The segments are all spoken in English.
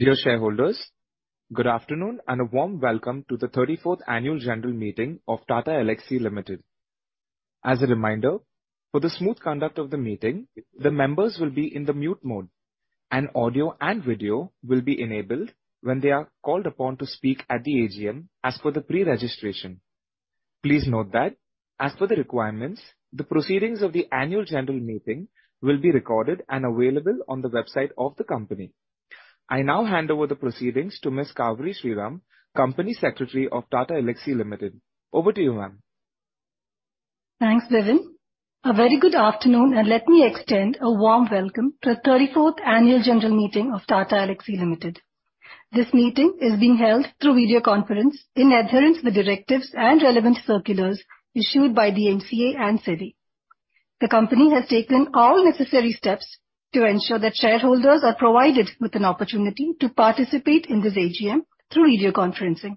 Dear shareholders, good afternoon, and a warm welcome to the 34th annual general meeting of Tata Elxsi Limited. As a reminder, for the smooth conduct of the meeting, the members will be in the mute mode, and audio and video will be enabled when they are called upon to speak at the AGM as per the pre-registration. Please note that as for the requirements, the proceedings of the annual general meeting will be recorded and available on the website of the company. I now hand over the proceedings to Ms. Cauveri Sriram, Company Secretary of Tata Elxsi Limited. Over to you, ma'am. Thanks, Devin. A very good afternoon, and let me extend a warm welcome to the 34th annual general meeting of Tata Elxsi Limited. This meeting is being held through video conference in adherence with directives and relevant circulars issued by the MCA and SEBI. The company has taken all necessary steps to ensure that shareholders are provided with an opportunity to participate in this AGM through video conferencing.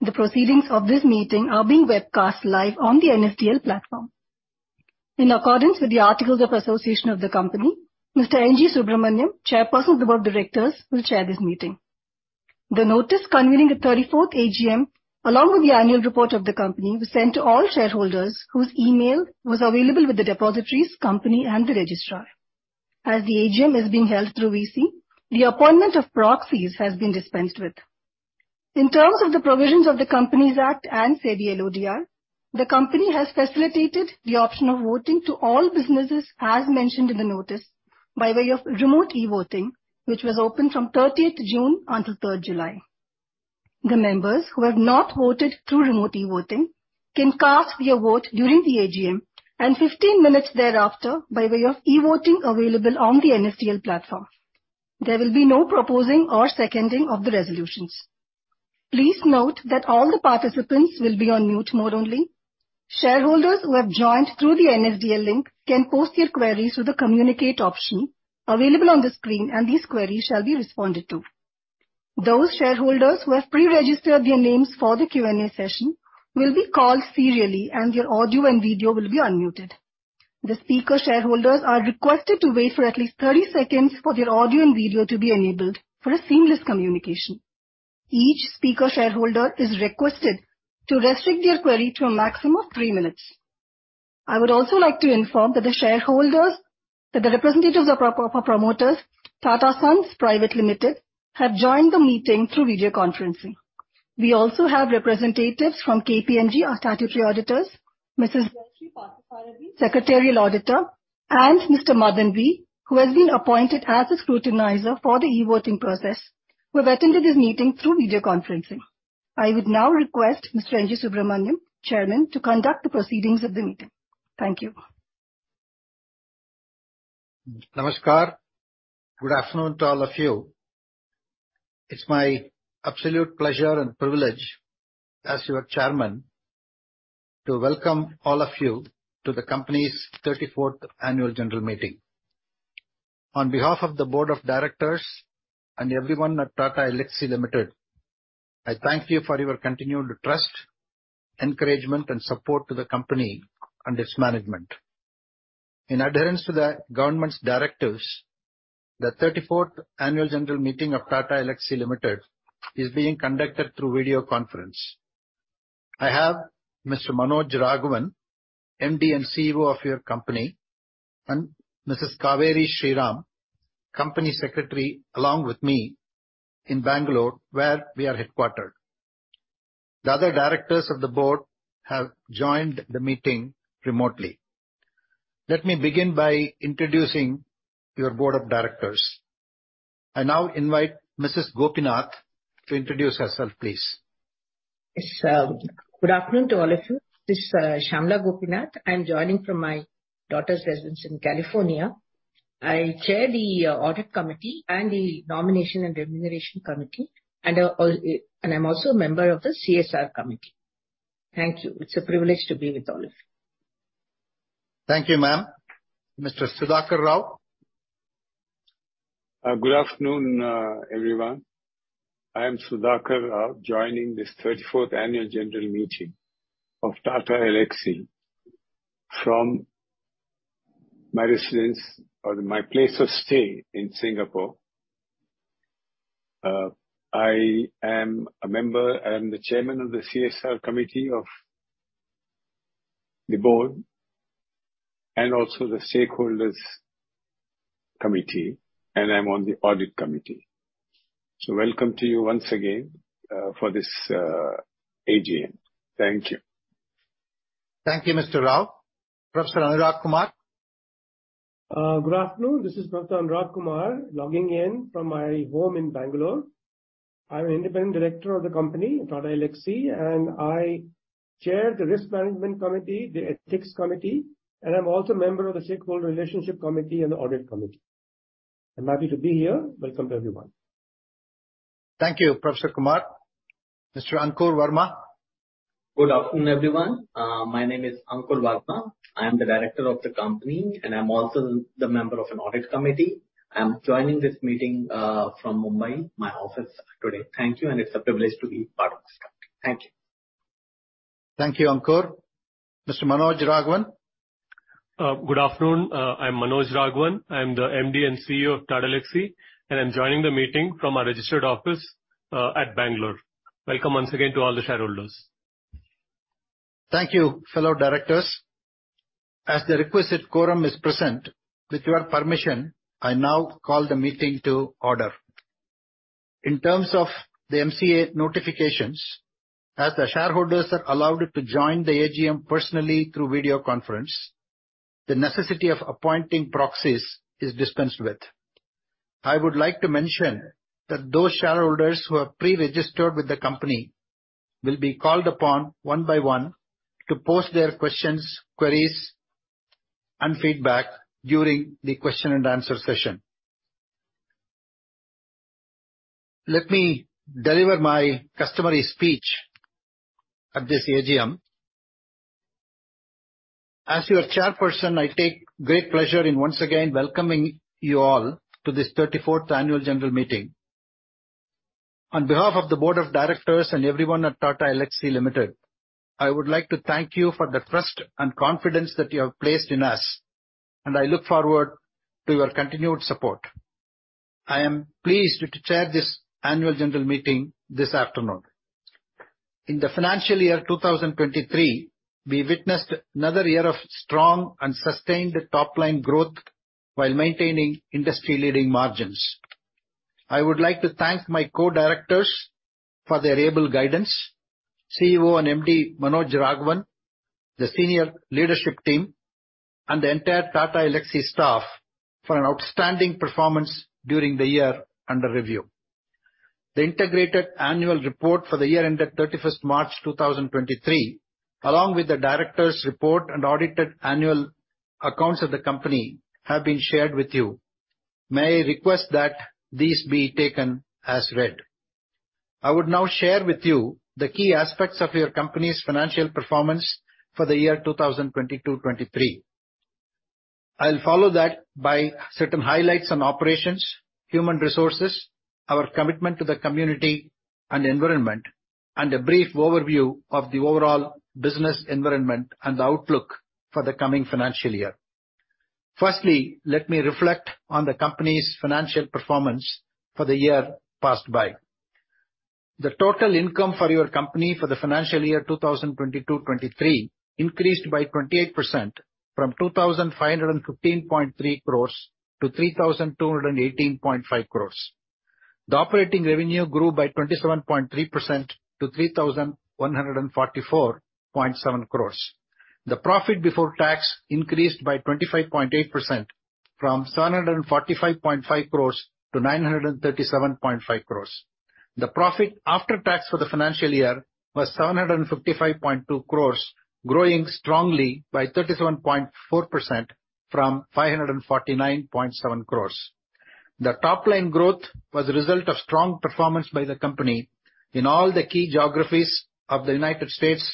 The proceedings of this meeting are being webcast live on the NSDL platform. In accordance with the articles of association of the company, Mr. NG Subramaniam, Chairperson of the Board of Directors, will chair this meeting. The notice convening the 34th AGM, along with the annual report of the company, was sent to all shareholders whose email was available with the depositories company and the registrar. As the AGM is being held through VC, the appointment of proxies has been dispensed with. In terms of the provisions of the Companies Act and SEBI LODR, the company has facilitated the option of voting to all businesses, as mentioned in the notice, by way of remote e-voting, which was open from 30th June until 3rd July. The members who have not voted through remote e-voting can cast their vote during the AGM and 15 minutes thereafter by way of e-voting available on the NSDL platform. There will be no proposing or seconding of the resolutions. Please note that all the participants will be on mute mode only. Shareholders who have joined through the NSDL link can post their queries through the communicate option available on the screen, and these queries shall be responded to. Those shareholders who have pre-registered their names for the Q&A session will be called serially, and their audio and video will be unmuted. The speaker shareholders are requested to wait for at least 30 seconds for their audio and video to be enabled for a seamless communication. Each speaker shareholder is requested to restrict their query to a maximum of three minutes. I would also like to inform that the shareholders, that the representatives of our promoters, Tata Sons Private Limited, have joined the meeting through video conferencing. We also have representatives from KPMG, our statutory auditors, Mrs. Jayashree Parthasarathy, secretarial auditor, and Mr. Madan B, who has been appointed as a scrutinizer for the e-voting process, who have attended this meeting through video conferencing. I would now request Mr. N.G. Subramaniam, Chairman, to conduct the proceedings of the meeting. Thank you. Namaskar. Good afternoon to all of you. It's my absolute pleasure and privilege as your Chairman to welcome all of you to the company's 34th annual general meeting. On behalf of the board of directors and everyone at Tata Elxsi Limited, I thank you for your continued trust, encouragement, and support to the company and its management. In adherence to the government's directives, the 34th annual general meeting of Tata Elxsi Limited is being conducted through video conference. I have Mr. Manoj Raghavan, MD and CEO of your company, and Mrs. Cauveri Sriram, Company Secretary, along with me in Bangalore, where we are headquartered. The other directors of the board have joined the meeting remotely. Let me begin by introducing your board of directors. I now invite Mrs. Gopinath to introduce herself, please. Yes, good afternoon to all of you. This is Shyamala Gopinath. I'm joining from my daughter's residence in California. I chair the audit committee and the nomination and remuneration committee, and I'm also a member of the CSR committee. Thank you. It's a privilege to be with all of you. Thank you, ma'am. Mr. Sudhakar Rao? Good afternoon, everyone. I am Sudhakar Rao, joining this 34th annual general meeting of Tata Elxsi from my residence or my place of stay in Singapore. I am a member and the chairman of the CSR committee of the board and also the stakeholders committee, and I'm on the audit committee. Welcome to you once again for this AGM. Thank you. Thank you, Mr. Rao. Professor Anurag Kumar? Good afternoon. This is Professor Anurag Kumar, logging in from my home in Bangalore. I'm Independent Director of the company, Tata Elxsi, and I chair the Risk Management Committee, the Ethics Committee, and I'm also a member of the Shareholder Relationship Committee and the Audit Committee. I'm happy to be here. Welcome to everyone. Thank you, Professor Kumar. Mr. Ankur Verma? Good afternoon, everyone. My name is Ankur Verma. I'm the director of the company, and I'm also the member of an audit committee. I'm joining this meeting, from Mumbai, my office today. Thank you, and it's a privilege to be part of the staff. Thank you. Thank you, Ankur. Mr. Manoj Raghavan? Good afternoon. I'm Manoj Raghavan. I'm the MD and CEO of Tata Elxsi. I'm joining the meeting from our registered office at Bangalore. Welcome once again to all the shareholders. Thank you, fellow directors. As the requisite quorum is present, with your permission, I now call the meeting to order. In terms of the MCA notifications, as the shareholders are allowed to join the AGM personally through video conference, the necessity of appointing proxies is dispensed with. I would like to mention that those shareholders who have pre-registered with the company will be called upon one by one to post their questions, queries, and feedback during the question and answer session. Let me deliver my customary speech at this AGM. As your chairperson, I take great pleasure in once again welcoming you all to this thirty-fourth annual general meeting. On behalf of the board of directors and everyone at Tata Elxsi Limited, I would like to thank you for the trust and confidence that you have placed in us. I look forward to your continued support. I am pleased to chair this annual general meeting this afternoon. In the financial year 2023, we witnessed another year of strong and sustained top-line growth while maintaining industry-leading margins. I would like to thank my co-directors for their able guidance, CEO and MD, Manoj Raghavan, the senior leadership team, and the entire Tata Elxsi staff for an outstanding performance during the year under review. The integrated annual report for the year ended 31st March 2023, along with the directors' report and audited annual accounts of the company, have been shared with you. May I request that these be taken as read. I would now share with you the key aspects of your company's financial performance for the year 2022-23. I'll follow that by certain highlights on operations, human resources, our commitment to the community and environment, and a brief overview of the overall business environment and the outlook for the coming financial year. Firstly, let me reflect on the company's financial performance for the year passed by. The total income for your company for the financial year 2022-2023 increased by 28% from 2,515.3 crores to 3,218.5 crores. The operating revenue grew by 27.3% to 3,144.7 crores. The profit before tax increased by 25.8% from 745.5 crores to 937.5 crores. The profit after tax for the financial year was 755.2 crores, growing strongly by 37.4% from 549.7 crores. The top-line growth was a result of strong performance by the company in all the key geographies of the United States,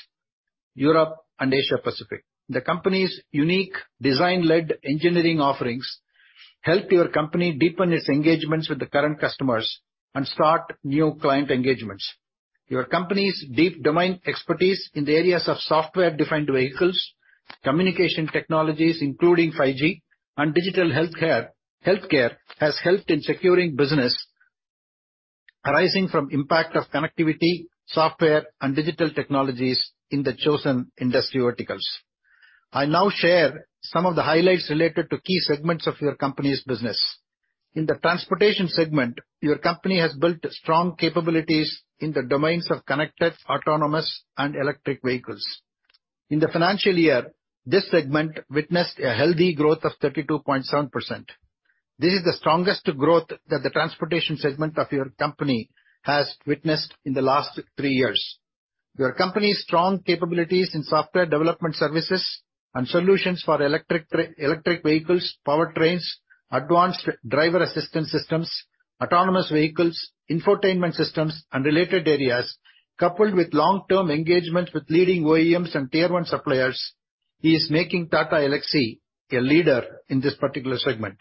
Europe and Asia Pacific. The company's unique design-led engineering offerings helped your company deepen its engagements with the current customers and start new client engagements. Your company's deep domain expertise in the areas of software-defined vehicles, communication technologies, including 5G, and digital healthcare has helped in securing business arising from impact of connectivity, software and digital technologies in the chosen industry verticals. I now share some of the highlights related to key segments of your company's business. In the transportation segment, your company has built strong capabilities in the domains of connected, autonomous and electric vehicles. In the financial year, this segment witnessed a healthy growth of 32.7%. This is the strongest growth that the transportation segment of your company has witnessed in the last 3 years. Your company's strong capabilities in software development services and solutions for electric vehicles, powertrains, advanced driver assistance systems, autonomous vehicles, infotainment systems, and related areas, coupled with long-term engagements with leading OEMs and tier 1 suppliers, is making Tata Elxsi a leader in this particular segment.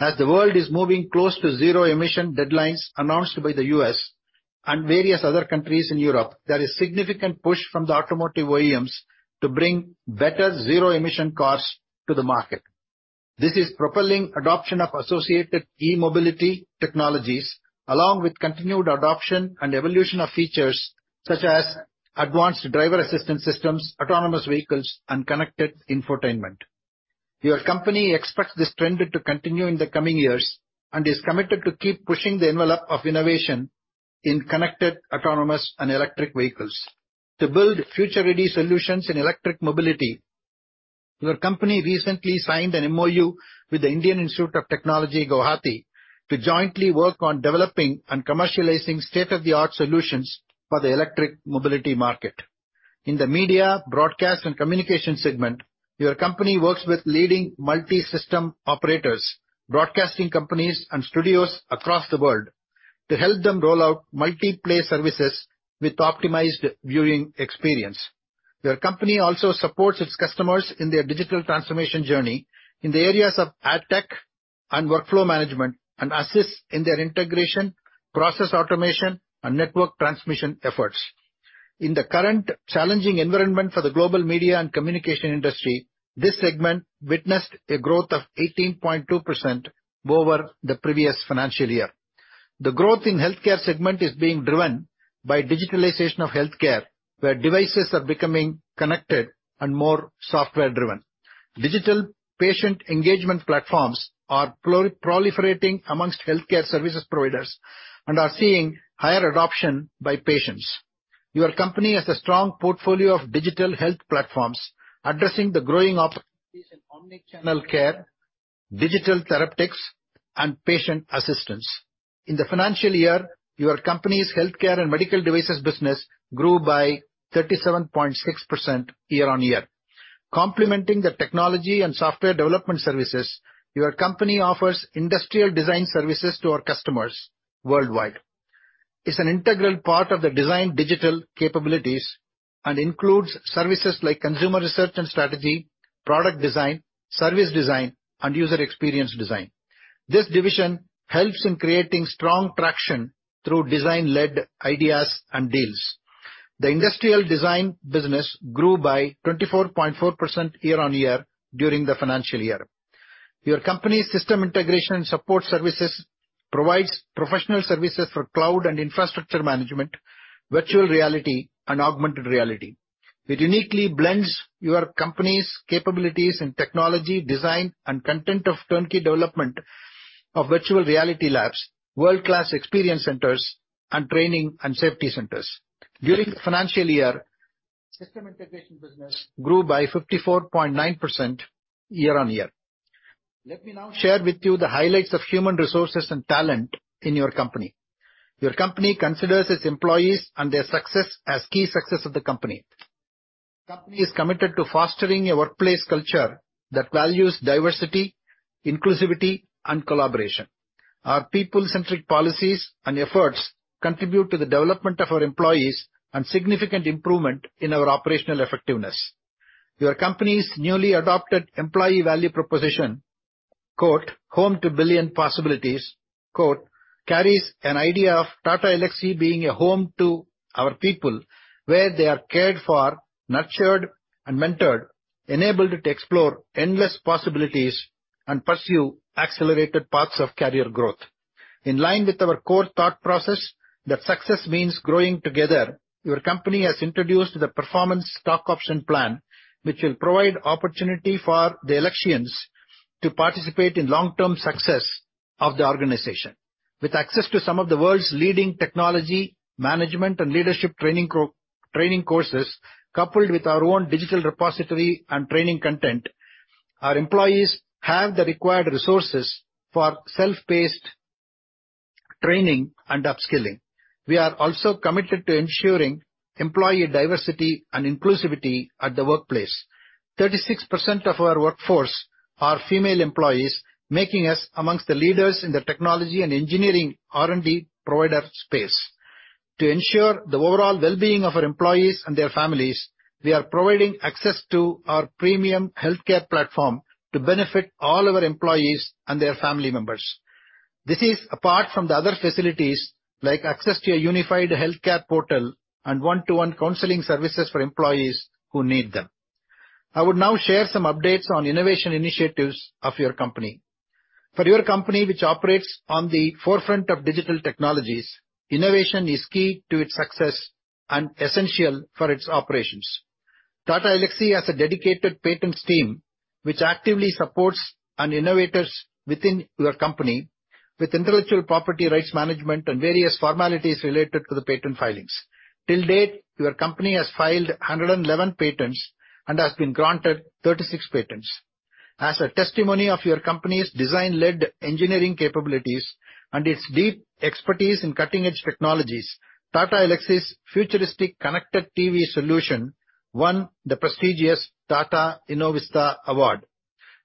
As the world is moving close to zero emission deadlines announced by the US and various other countries in Europe, there is significant push from the automotive OEMs to bring better zero-emission cars to the market. This is propelling adoption of associated e-mobility technologies, along with continued adoption and evolution of features such as advanced driver assistance systems, autonomous vehicles and connected infotainment. Your company expects this trend to continue in the coming years and is committed to keep pushing the envelope of innovation in connected, autonomous and electric vehicles. To build future-ready solutions in electric mobility, your company recently signed an MOU with the Indian Institute of Technology Guwahati to jointly work on developing and commercializing state-of-the-art solutions for the electric mobility market. In the media, broadcast, and communication segment, your company works with leading multi-system operators, broadcasting companies, and studios across the world to help them roll out multi-play services with optimized viewing experience. Your company also supports its customers in their digital transformation journey in the areas of ad tech and workflow management, and assists in their integration, process automation, and network transmission efforts. In the current challenging environment for the global media and communication industry, this segment witnessed a growth of 18.2% over the previous financial year. The growth in healthcare segment is being driven by digitalization of healthcare, where devices are becoming connected and more software driven. Digital patient engagement platforms are proliferating amongst healthcare services providers and are seeing higher adoption by patients. Your company has a strong portfolio of digital health platforms addressing the growing opportunities in omni-channel care, digital therapeutics, and patient assistance. In the financial year, your company's healthcare and medical devices business grew by 37.6% year-over-year. Complementing the technology and software development services, your company offers industrial design services to our customers worldwide. It's an integral part of the design digital capabilities, and includes services like consumer research and strategy, product design, service design, and user experience design. This division helps in creating strong traction through design-led ideas and deals. The industrial design business grew by 24.4% year-on-year during the financial year. Your company's system integration and support services provides professional services for cloud and infrastructure management, virtual reality, and augmented reality. It uniquely blends your company's capabilities in technology, design, and content of turnkey development of virtual reality labs, world-class experience centers, and training and safety centers. During the financial year, system integration business grew by 54.9% year-on-year. Let me now share with you the highlights of human resources and talent in your company. Your company considers its employees and their success as key success of the company. Company is committed to fostering a workplace culture that values diversity, inclusivity, and collaboration. Our people-centric policies and efforts contribute to the development of our employees and significant improvement in our operational effectiveness. Your company's newly adopted employee value proposition, "Home to billion possibilities," carries an idea of Tata Elxsi being a home to our people, where they are cared for, nurtured, and mentored, enabled to explore endless possibilities and pursue accelerated paths of career growth. In line with our core thought process, that success means growing together, your company has introduced the performance stock option plan, which will provide opportunity for the Elxsians to participate in long-term success of the organization. With access to some of the world's leading technology, management, and leadership training courses, coupled with our own digital repository and training content, our employees have the required resources for self-paced training and upskilling. We are also committed to ensuring employee diversity and inclusivity at the workplace. 36% of our workforce are female employees, making us amongst the leaders in the technology and engineering R&D provider space. To ensure the overall wellbeing of our employees and their families, we are providing access to our premium healthcare platform to benefit all our employees and their family members. This is apart from the other facilities, like access to a unified healthcare portal and 1-to-1 counseling services for employees who need them. I would now share some updates on innovation initiatives of your company. For your company, which operates on the forefront of digital technologies, innovation is key to its success and essential for its operations. Tata Elxsi has a dedicated patents team, which actively supports and innovators within your company with intellectual property rights management and various formalities related to the patent filings. Till date, your company has filed 111 patents and has been granted 36 patents. A testimony of your company's design-led engineering capabilities and its deep expertise in cutting-edge technologies, Tata Elxsi's futuristic connected TV solution won the prestigious Tata Innovista Award.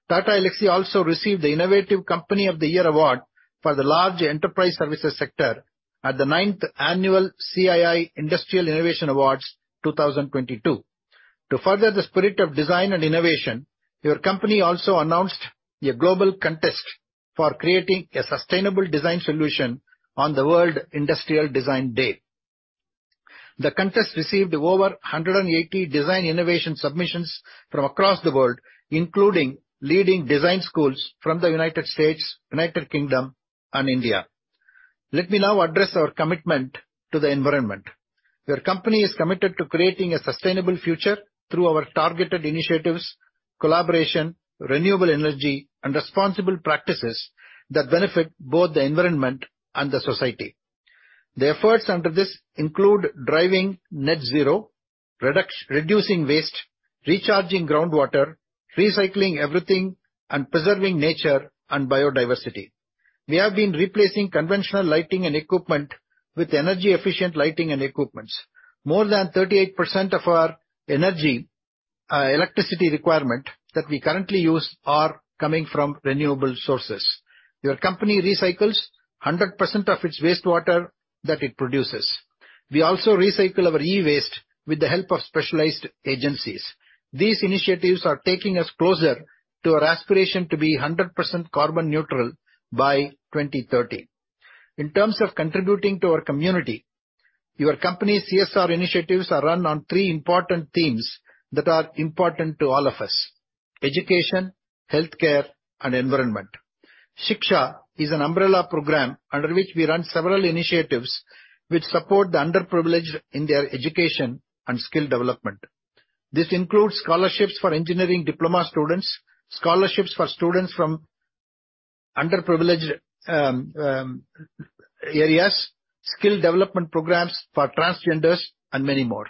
Tata Elxsi also received the Innovative Company of the Year Award for the large enterprise services sector at the ninth Annual CII Industrial Innovation Awards, 2022. To further the spirit of design and innovation, your company also announced a global contest for creating a sustainable design solution on the World Industrial Design Day. The contest received over 180 design innovation submissions from across the world, including leading design schools from the United States, United Kingdom, and India. Let me now address our commitment to the environment. Your company is committed to creating a sustainable future through our targeted initiatives, collaboration, renewable energy, and responsible practices that benefit both the environment and the society. The efforts under this include driving net zero, reducing waste, recharging groundwater, recycling everything, and preserving nature and biodiversity. We have been replacing conventional lighting and equipment with energy efficient lighting and equipments. More than 38% of our energy, electricity requirement that we currently use are coming from renewable sources. Your company recycles 100% of its wastewater that it produces. We also recycle our e-waste with the help of specialized agencies. These initiatives are taking us closer to our aspiration to be 100% carbon neutral by 2030. In terms of contributing to our community, your company's CSR initiatives are run on three important themes that are important to all of us: education, healthcare, and environment. Shiksha is an umbrella program under which we run several initiatives which support the underprivileged in their education and skill development. This includes scholarships for engineering diploma students, scholarships for students from underprivileged areas, skill development programs for transgenders, and many more.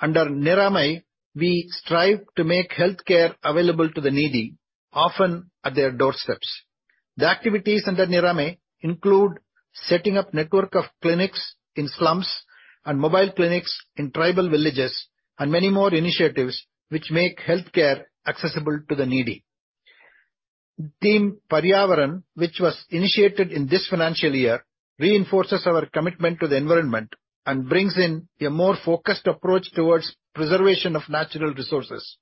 Under Niramay, we strive to make healthcare available to the needy, often at their doorsteps. The activities under Niramay include setting up network of clinics in slums and mobile clinics in tribal villages, and many more initiatives which make healthcare accessible to the needy. Theme Paryavaran, which was initiated in this financial year, reinforces our commitment to the environment and brings in a more focused approach towards preservation of natural resources.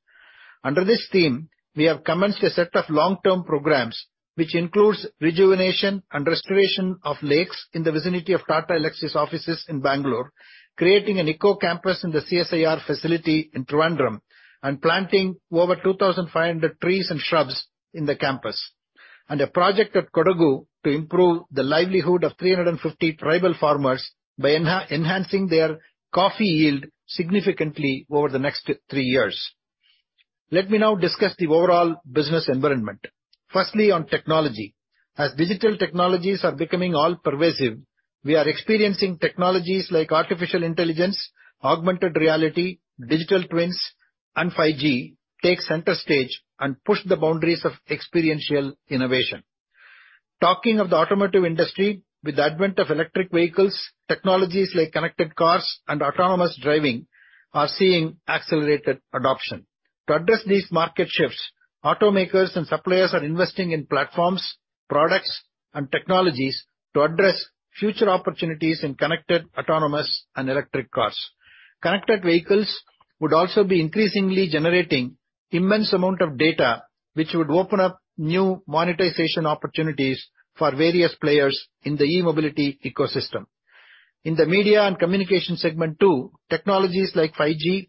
Under this theme, we have commenced a set of long-term programs, which includes rejuvenation and restoration of lakes in the vicinity of Tata Elxsi's offices in Bangalore, creating an eco-campus in the CSIR facility in Trivandrum, and planting over 2,500 trees and shrubs in the campus, and a project at Kodagu to improve the livelihood of 350 tribal farmers by enhancing their coffee yield significantly over the next three years. Let me now discuss the overall business environment. Firstly, on technology. As digital technologies are becoming all-pervasive, we are experiencing technologies like artificial intelligence, augmented reality, digital twins, and 5G take center stage and push the boundaries of experiential innovation. Talking of the automotive industry, with the advent of electric vehicles, technologies like connected cars and autonomous driving are seeing accelerated adoption. To address these market shifts, automakers and suppliers are investing in platforms, products, and technologies to address future opportunities in connected, autonomous, and electric cars. Connected vehicles would also be increasingly generating immense amount of data, which would open up new monetization opportunities for various players in the e-mobility ecosystem. In the media and communication segment, too, technologies like 5G,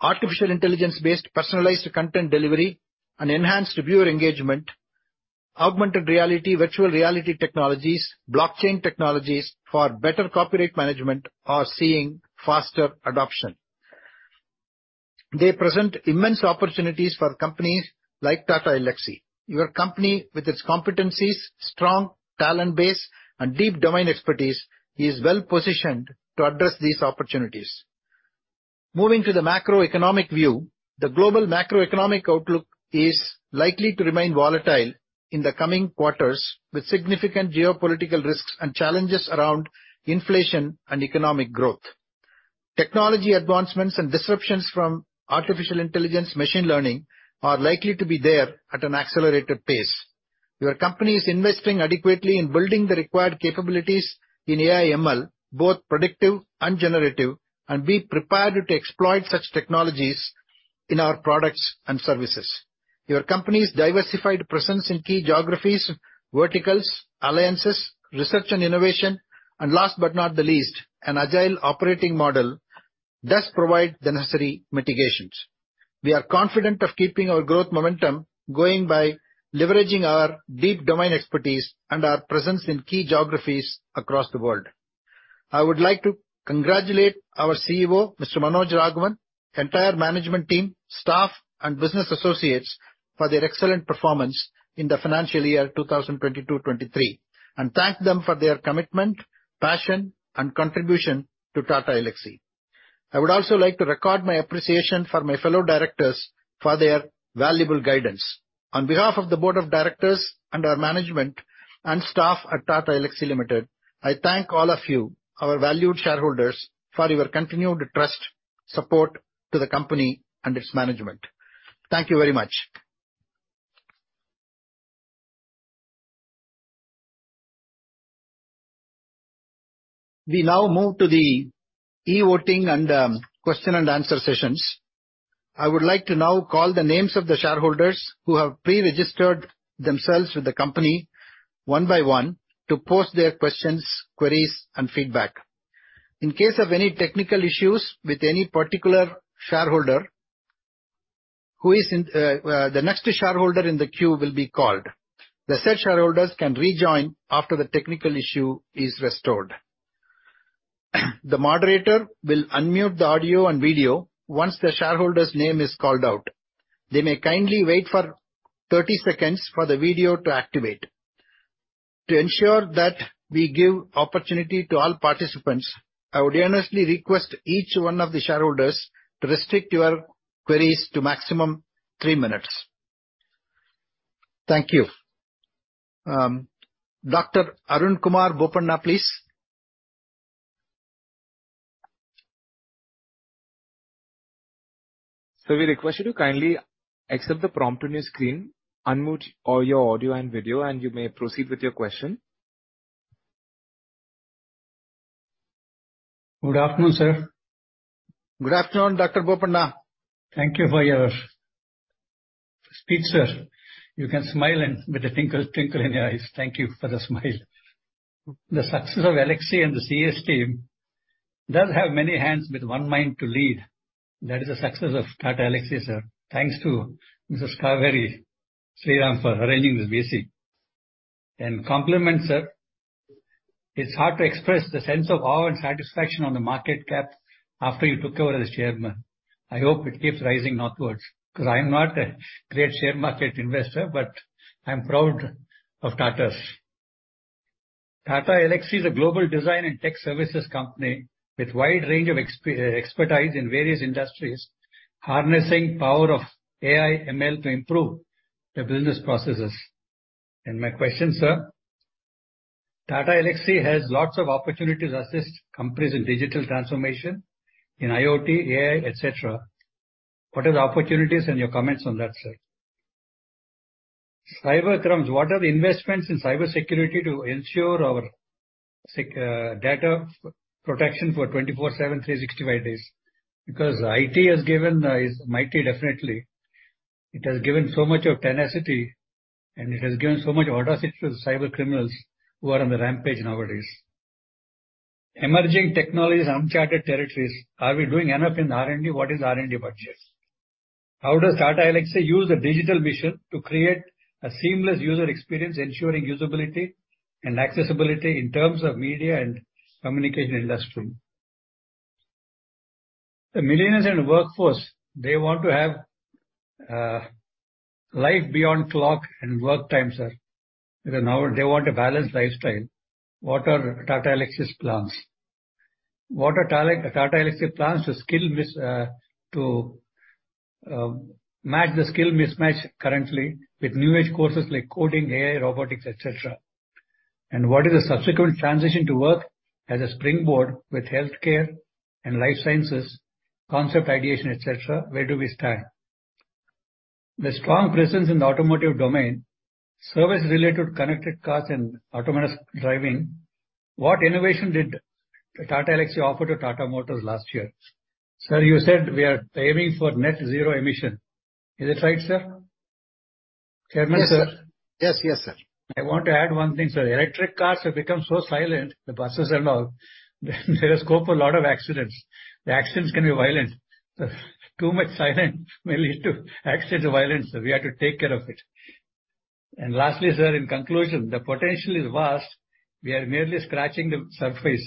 artificial intelligence-based personalized content delivery and enhanced viewer engagement, augmented reality, virtual reality technologies, blockchain technologies for better copyright management, are seeing faster adoption. They present immense opportunities for companies like Tata Elxsi. Your company, with its competencies, strong talent base, and deep domain expertise, is well-positioned to address these opportunities. Moving to the macroeconomic view, the global macroeconomic outlook is likely to remain volatile in the coming quarters, with significant geopolitical risks and challenges around inflation and economic growth. Technology advancements and disruptions from artificial intelligence, machine learning are likely to be there at an accelerated pace. Your company is investing adequately in building the required capabilities in AI, ML, both predictive and generative, and be prepared to exploit such technologies in our products and services. Your company's diversified presence in key geographies, verticals, alliances, research and innovation, and last but not the least, an agile operating model, does provide the necessary mitigations. We are confident of keeping our growth momentum going by leveraging our deep domain expertise and our presence in key geographies across the world. I would like to congratulate our CEO, Mr. Manoj Raghavan, the entire management team, staff, and business associates for their excellent performance in the financial year two thousand twenty-two, twenty-three, and thank them for their commitment, passion, and contribution to Tata Elxsi. I would also like to record my appreciation for my fellow directors for their valuable guidance. On behalf of the Board of Directors and our management and staff at Tata Elxsi Limited, I thank all of you, our valued shareholders, for your continued trust, support to the company and its management. Thank you very much. We now move to the e-voting and question and answer sessions. I would like to now call the names of the shareholders who have pre-registered themselves with the company one by one, to pose their questions, queries, and feedback. In case of any technical issues with any particular shareholder, who is in the next shareholder in the queue will be called. The said shareholders can rejoin after the technical issue is restored. The moderator will unmute the audio and video once the shareholder's name is called out. They may kindly wait for 30 seconds for the video to activate. To ensure that we give opportunity to all participants, I would earnestly request each one of the shareholders to restrict your queries to maximum 3 minutes. Thank you. Dr. Arunkumar Boppana, please? Sir, we request you to kindly accept the prompt on your screen, unmute all your audio and video, and you may proceed with your question. Good afternoon, sir. Good afternoon, Dr. Boppana. Thank you for your speech, sir. You can smile and with a twinkle in your eyes. Thank you for the smile. The success of Tata Elxsi and the CS team does have many hands with one mind to lead. That is the success of Tata Elxsi, sir. Thanks to Mrs. Cauveri Sriram for arranging this VC. Compliment, sir. It's hard to express the sense of awe and satisfaction on the market cap after you took over as Chairman. I hope it keeps rising northwards, 'cause I'm not a great share market investor, but I'm proud of Tatas. Tata Elxsi is a global design and tech services company with wide range of expertise in various industries, harnessing power of AI, ML to improve the business processes. My question, sir, Tata Elxsi has lots of opportunities to assist companies in digital transformation, in IoT, AI, et cetera. What are the opportunities and your comments on that, sir? Cyber crimes. What are the investments in cybersecurity to ensure our data protection for 24/7, 365 days? IT has given, is mighty, definitely. It has given so much of tenacity, and it has given so much audacity to the cyber criminals who are on the rampage nowadays. Emerging technologies, uncharted territories, are we doing enough in R&D? What is R&D budget? How does Tata Elxsi use the digital vision to create a seamless user experience, ensuring usability and accessibility in terms of media and communication industry? The millennials and workforce, they want to have life beyond clock and work time, sir, because now they want a balanced lifestyle. What are Tata Elxsi's plans? What are Tata Elxsi plans to skill to match the skill mismatch currently with new-age courses like coding, AI, robotics, et cetera? What is the subsequent transition to work as a springboard with healthcare and life sciences, concept ideation, et cetera? Where do we stand? The strong presence in the automotive domain, service-related connected cars and autonomous driving, what innovation did Tata Elxsi offer to Tata Motors last year? Sir, you said we are aiming for net-zero emission. Is it right, sir? Chairman, sir? Yes. Yes, yes, sir. I want to add one thing, sir. Electric cars have become so silent, the buses and all, there is scope for a lot of accidents. The accidents can be violent. Too much silent may lead to accident violence, so we have to take care of it. Lastly, sir, in conclusion, the potential is vast. We are merely scratching the surface.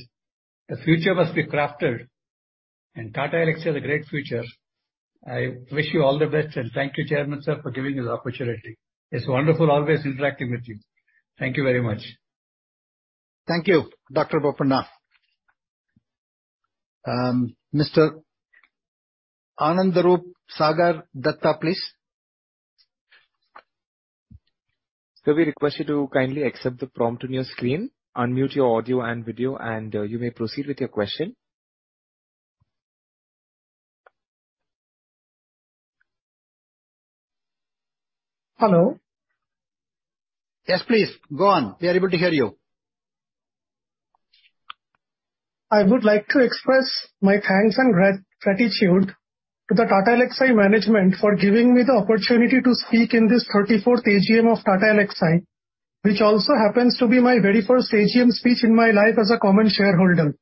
The future must be crafted, Tata Elxsi has a great future. I wish you all the best, thank you, Chairman, sir, for giving me the opportunity. It's wonderful, always interacting with you. Thank you very much. Thank you, Dr. Boppana. Mr. Anandaroop Sagar Dutta, please. Sir, we request you to kindly accept the prompt on your screen. Unmute your audio and video, and you may proceed with your question. Hello? Yes, please, go on. We are able to hear you. I would like to express my thanks and gratitude to the Tata Elxsi management for giving me the opportunity to speak in this 34th AGM of Tata Elxsi, which also happens to be my very first AGM speech in my life as a common shareholder.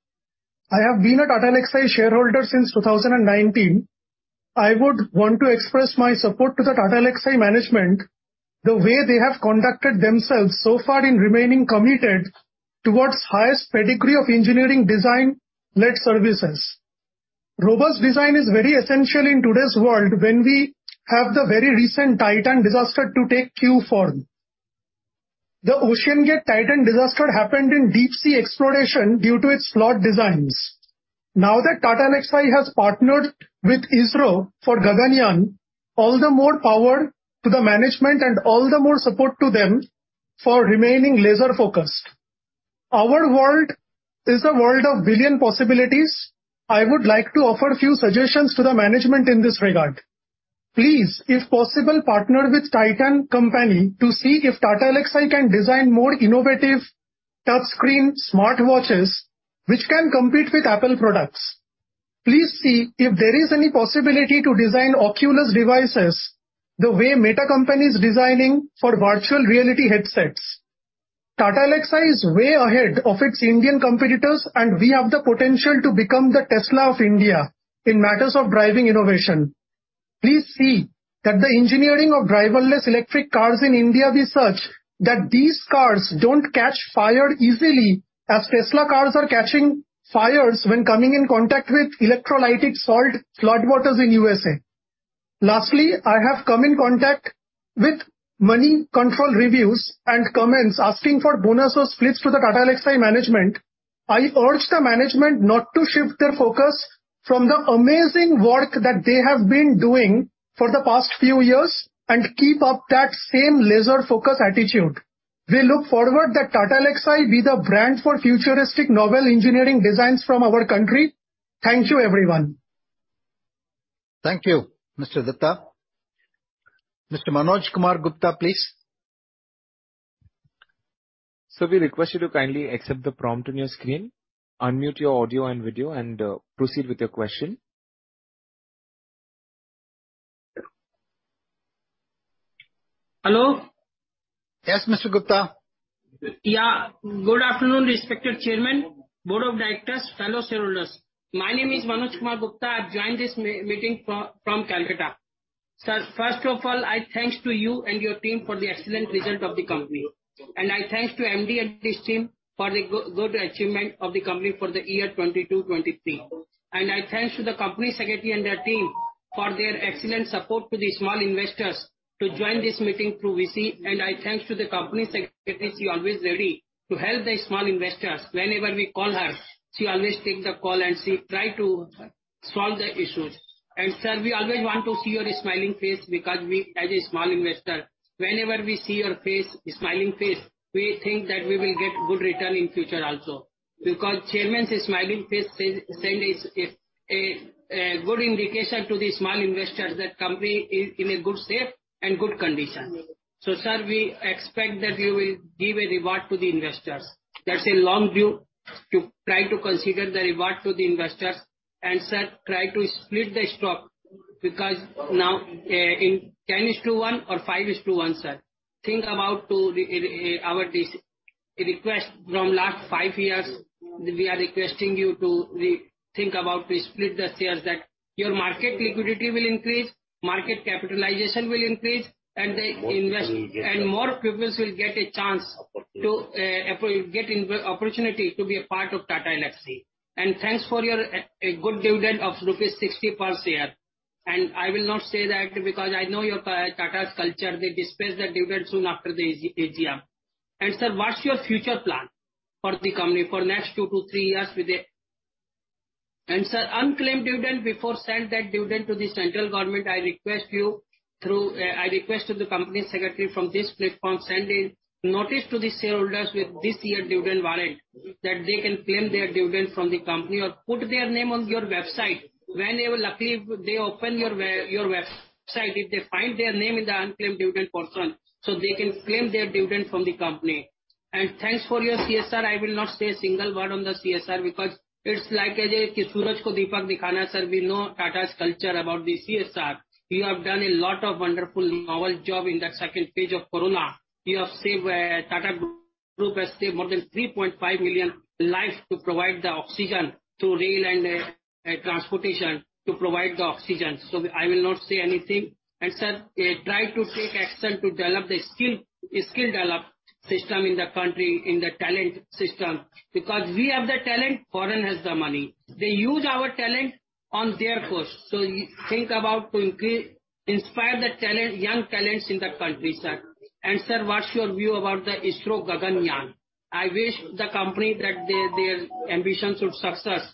I have been a Tata Elxsi shareholder since 2019. I would want to express my support to the Tata Elxsi management, the way they have conducted themselves so far in remaining committed towards highest pedigree of engineering design led services. Robust design is very essential in today's world, when we have the very recent Titan disaster to take cue form. The OceanGate Titan disaster happened in deep sea exploration due to its flawed designs. Now that Tata Elxsi has partnered with ISRO for Gaganyaan, all the more power to the management and all the more support to them for remaining laser focused. Our world is a world of billion possibilities. I would like to offer a few suggestions to the management in this regard. Please, if possible, partner with Titan Company to see if Tata Elxsi can design more innovative touchscreen smartwatches which can compete with Apple products. Please see if there is any possibility to design Oculus devices, the way Meta company is designing for virtual reality headsets. Tata Elxsi is way ahead of its Indian competitors, and we have the potential to become the Tesla of India in matters of driving innovation. Please see that the engineering of driverless electric cars in India be such that these cars don't catch fire easily, as Tesla cars are catching fires when coming in contact with electrolytic salt floodwaters in USA. Lastly, I have come in contact with many control reviews and comments asking for bonuses splits to the Tata Elxsi management. I urge the management not to shift their focus from the amazing work that they have been doing for the past few years and keep up that same laser focus attitude. We look forward that Tata Elxsi be the brand for futuristic novel engineering designs from our country. Thank you, everyone. Thank you, Mr. Dutta. Mr. Manoj Kumar Gupta, please. Sir, we request you to kindly accept the prompt on your screen, unmute your audio and video, and proceed with your question. Hello? Yes, Mr. Gupta. Good afternoon, respected Chairman, Board of Directors, fellow shareholders. My name is Manoj Kumar Gupta. I've joined this meeting from Calcutta. Sir, first of all, I thanks to you and your team for the excellent result of the company. I thanks to MD and his team for the good achievement of the company for the year 2022, 2023. I thanks to the Company Secretary and their team, for their excellent support to the small investors to join this meeting through VC. I thanks to the Company Secretary, she always ready to help the small investors. Whenever we call her, she always takes the call and she try to solve the issues. Sir, we always want to see your smiling face because we, as a small investor, whenever we see your face, smiling face, we think that we will get good return in future also. Chairman's smiling face send is a good indication to the small investors that company is in a good state and good condition. Sir, we expect that you will give a reward to the investors. That's a long due. Try to consider the reward to the investors. Sir, try to split the stock, because now, in 10:1 or 5:1, sir. Think about our this, request from last 5 years, we are requesting you to think about to split the shares, that your market liquidity will increase, market capitalization will increase, and the invest- More people will get-. More people will get a chance. Opportunity. to get opportunity to be a part of Tata Elxsi. Thanks for your a good dividend of rupees 60 per share. I will not say that, because I know your Tata's culture, they disperse the dividend soon after the AGM. Sir, what's your future plan for the company for next 2 to 3 years with it? Sir, unclaimed dividend, before send that dividend to the central government, I request you, I request to the company secretary from this platform, send a notice to the shareholders with this year dividend warrant, that they can claim their dividend from the company or put their name on your website. Whenever luckily, they open your website, if they find their name in the unclaimed dividend portion, they can claim their dividend from the company. Thanks for your CSR. I will not say a single word on the CSR because it's like a suraj ko deepak dikhana, sir. We know Tata's culture about the CSR. You have done a lot of wonderful, novel job in that second phase of Corona. You have saved, Tata Group has saved more than 3.5 million lives to provide the oxygen, through rail and transportation to provide the oxygen. I will not say anything. Sir, try to take action to develop the skill develop system in the country, in the talent system, because we have the talent, foreign has the money. They use our talent on their cost. You think about to inspire the talent, young talents in the country, sir. Sir, what's your view about the ISRO Gaganyaan? I wish the company that their ambition should success,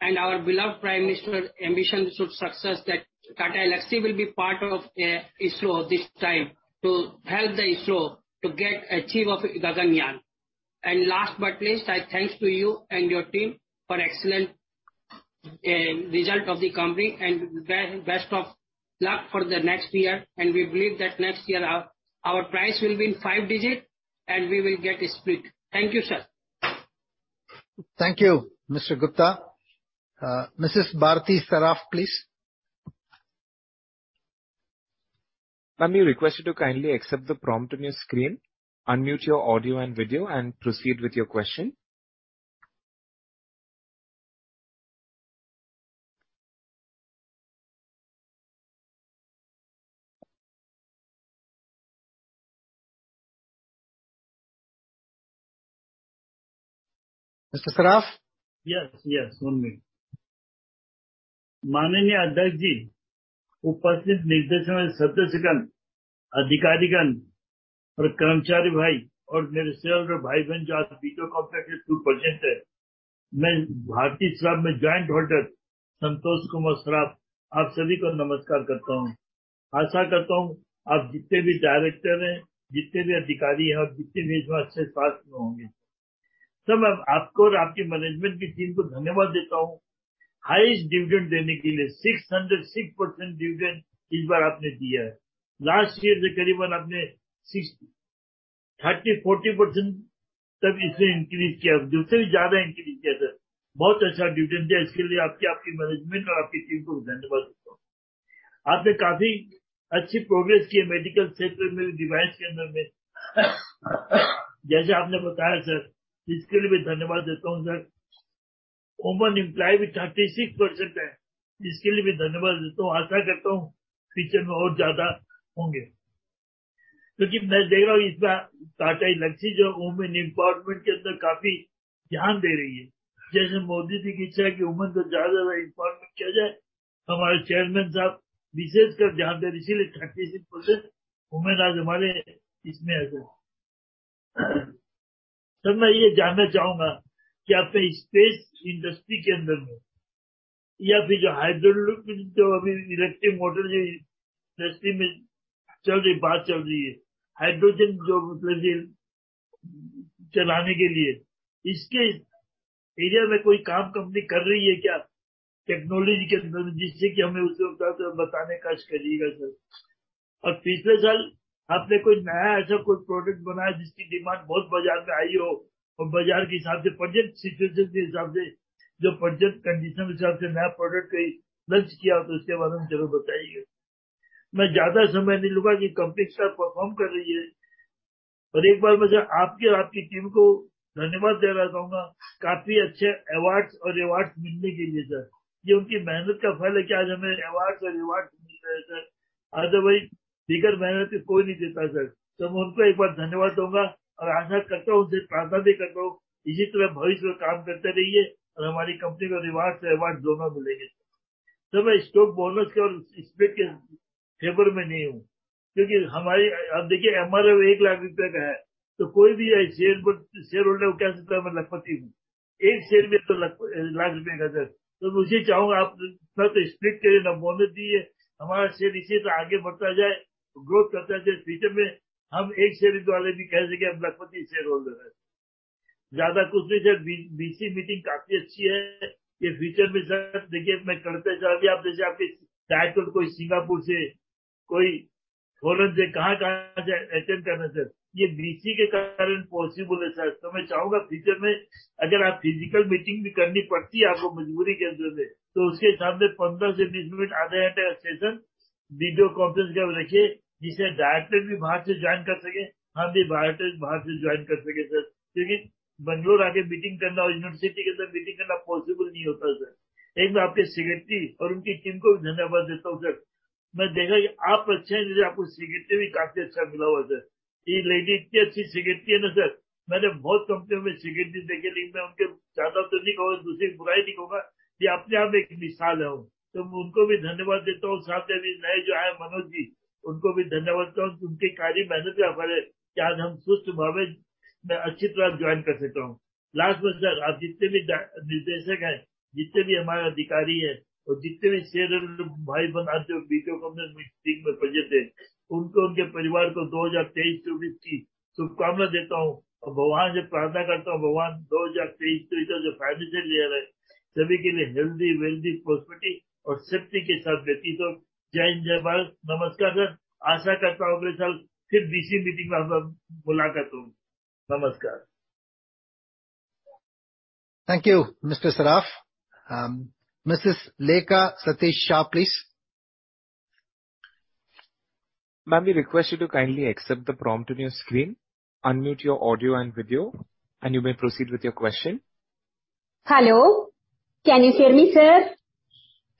and our beloved Prime Minister ambition should success that Tata Elxsi will be part of ISRO this time, to help the ISRO to get achieve of Gaganyaan. Last but not least, I thanks to you and your team for excellent result of the company, and best of luck for the next year. We believe that next year our price will be in 5-digit, and we will get a split. Thank you, sir. Thank you, Mr. Gupta. Mrs. Bharati Saraf, please. Ma'am, we request you to kindly accept the prompt on your screen. Unmute your audio and video, and proceed with your question. Mr. Saraf? Yes, yes, hear me. Sir मैं यह जानना चाहूंगा कि आपने space industry के अंदर में या फिर जो हाइड्रोजन जो अभी इलेक्ट्रिक मोटर इंडस्ट्री में चल रही बात चल रही है। हाइड्रोजन जो मतलब ये चलाने के लिए इसके एरिया में कोई काम कंपनी कर रही है क्या? टेक्नोलॉजी के अंदर जिससे कि हमें उससे थोड़ा-सा बताने का कोशिश करिएगा sir. पिछले साल आपने कोई नया ऐसा कोई प्रोडक्ट बनाया, जिसकी डिमांड बहुत बाजार में आई हो और बाजार के हिसाब से, बजट सिचुएशन के हिसाब से, जो बजट कंडीशन के हिसाब से नया प्रोडक्ट को लॉन्च किया तो उसके बारे में जरूर बताइएगा. मैं ज्यादा समय नहीं लूंगा कि कंपनी sir परफॉर्म कर रही है और एक बार फिर आप और आपकी टीम को धन्यवाद देना चाहूंगा. काफी अच्छे अवार्ड और रिवार्ड मिलने के लिए sir, उनकी मेहनत का फल है कि आज हमें अवार्ड और रिवार्ड मिल रहे हैं sir. भाई, बिना मेहनत से कोई नहीं देता sir. मैं उनको एक बार धन्यवाद दूंगा और आशा करता हूं, उनसे प्रार्थना भी करता हूं, इसी तरह भविष्य में काम करते रहिए और हमारी कंपनी को रिवार्ड और अवार्ड दोनों मिलेंगे. मैं स्टॉक बोनस और स्प्रेड के फेवर में नहीं हूं, क्योंकि हमारी, अब देखिए, एमआरओ INR 1 lakh का है तो कोई भी shareholder shareholder बन सकता है, लाखपति. एक शेयर में तो INR 1 lakh का sir, मैं उसी चाहूंगा, आप ना तो split करें, ना बोनस दिए. हमारा शेयर इसी तरह आगे बढ़ता जाए, growth करता जाए. Future में हम एक शेयर वाले भी कह सकें कि हम लाखपति shareholder हैं. ज्यादा कुछ नहीं sir, बीसी मीटिंग काफी अच्छी है. Future में sir, देखिए, मैं करता जाऊंगा. जैसे आपकी Director कोई सिंगापुर से, कोई foreign से कहां-कहां से अटेंड कर रहे हैं sir. बीसी के कारण possible है sir. मैं चाहूंगा Future में अगर आप physical मीटिंग भी करनी पड़ती है, आपको मजबूरी के वजह से, तो उसके हिसाब से 15-20 मिनट आधे घंटे का सेशन video conference का रखिए, जिससे Director भी बाहर से join कर सकें. हम भी Director बाहर से join कर सकें sir, क्योंकि Bangalore आकर मीटिंग करना और university के साथ मीटिंग करना possible नहीं होता है sir. मैं आपके Secretary और उनकी टीम को भी धन्यवाद देता हूं sir. मैं देखा कि आप अच्छे हैं, आपको Secretary भी काफी अच्छा मिला हुआ है sir. लेडी इतनी अच्छी Secretary है ना sir, मैंने बहुत companies में Secretary देखे, लेकिन मैं उनके ज्यादा तो नहीं कहूंगा, दूसरी बुराई नहीं कहूंगा. अपने आप में एक मिसाल हैं. मैं उनको भी धन्यवाद देता हूं. साथ में नए जो आए Manoj Ji, उनको भी धन्यवाद देता हूं. उनके कार्य मेहनत के फल है कि आज हम सुस्त भाव में मैं अच्छी तरह join कर सकता हूं. Last में sir, आप जितने भी Director हैं, जितने भी हमारे अधिकारी हैं और जितने भी shareholder भाई-बहन आते हो, video conference मीटिंग में उपस्थित हैं, उनके परिवार को 2023 की शुभकामनाएं देता हूं और भगवान से प्रार्थना करता हूं, भगवान 2023-2024 जो financial year है, सभी के लिए healthy, wealthy, prosperity और safety के साथ व्यतीत हो. जय जय भारत! नमस्कार सर। आशा करता हूं अगले साल फिर BC मीटिंग में आप बुलाकर दूंगा। नमस्कार। Thank you, Mr. Saraf. Um, Mrs. Lekha Satish Shah, please. Ma'am, we request you to kindly accept the prompt on your screen. Unmute your audio and video, and proceed with your question. Hello, can you hear me, Sir??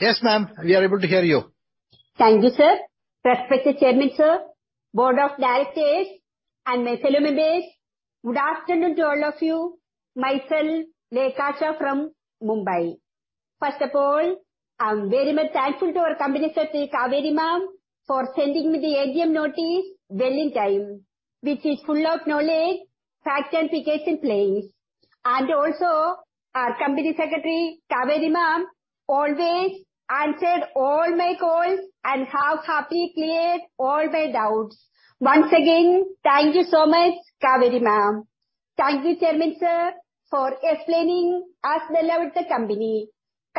Yes, Ma’am, we are able to hear you. Thank you, Sir. Respected Chairman Sir, Board of Directors, and my fellow members, good afternoon to all of you. Myself, Lekha Shah from Mumbai. First of all, I am very thankful to our Company Secretary, Ms. Cauveri, for sending me the AGM notice well in time, which is full of knowledge, facts, and clarification points. Also, our Company Secretary, Ms. Cauveri, has always answered all my calls and happily cleared all my doubts. Once again, thank you so much, Ms. Cauveri. Thank you, Chairman Sir, for explaining to us as well about the company.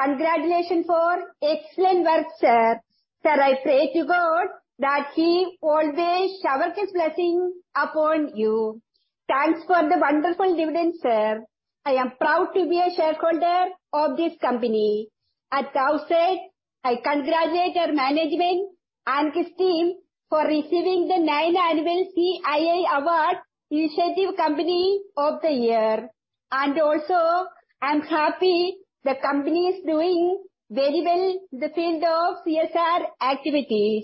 Congratulations for the excellent work, Sir. Sir, I pray to god that He always showers His blessings upon you. Thanks for the wonderful dividend, Sir. I am proud to be a shareholder of this company. As you said, I congratulate our management and his team for receiving the ninth Annual CII Award Initiative Company of the Year. Also, I am happy that the company is doing very well in the field of CSR activities.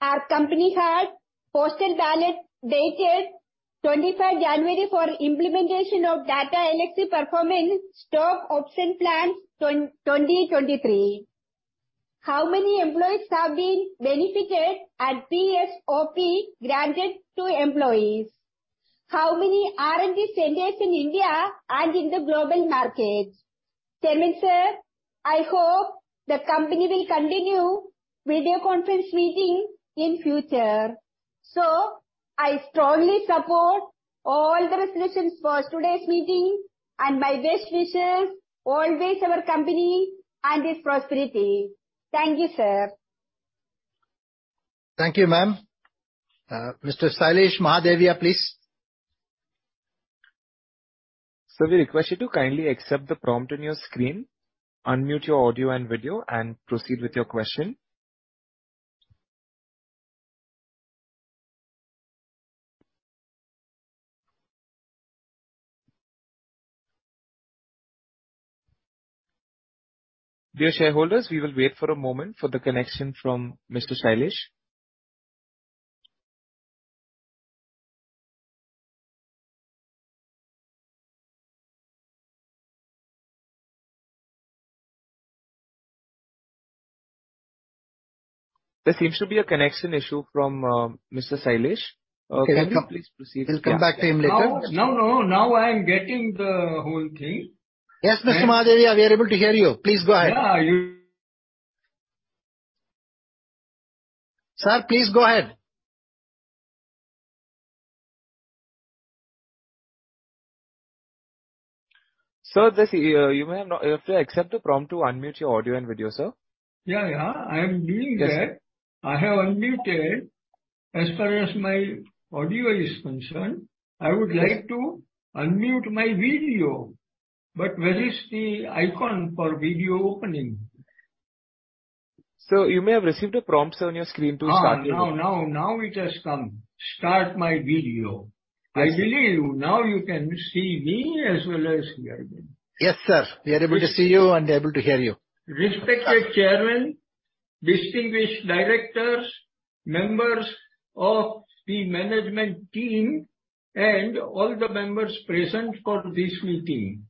Our company has a postal ballot dated 25th January for implementation of the Tata Elxsi Performance Stock Option Plan 2023. How many employees have been benefited, and how many PSOPs have been granted to employees? How Many R&D centers are there in India and in the global market? Chairman Sir, I hope the company will continue video conference meetings in the future. So, I strongly support all the resolutions for today's meeting, and my best wishes to our company and its prosperity. Thank you, Sir. Thank you, Ma'am. Mr. Shailesh Mahadevia, please. Sir, we request you to kindly accept the prompt on your screen, unmute your audio and video, and proceed with the question. Dear shareholders, we will wait for a moment for the connection from Mr. Shailesh. There seems to be a connection issue from Mr. Shailesh. Can you please proceed? We'll come back to him later. No, no. Now I am getting the whole thing. Yes, Mr. Mahadevia, we are able to hear you. Please go ahead. Yeah. Sir, please go ahead. Sir, just, you have to accept the prompt to unmute your audio and video, sir. Yeah, I am doing that. Yes. I have unmuted as far as my audio is concerned. I would like to unmute my video, but where is the icon for video opening? Sir, you may have received a prompt on your screen to start your video. Now it has come. Start my video. Yes. I believe now you can see me as well as hear me. Yes, sir. We are able to see you and able to hear you. Respected Chairman, distinguished Directors, members of the Management Team, and all the members present for this meeting.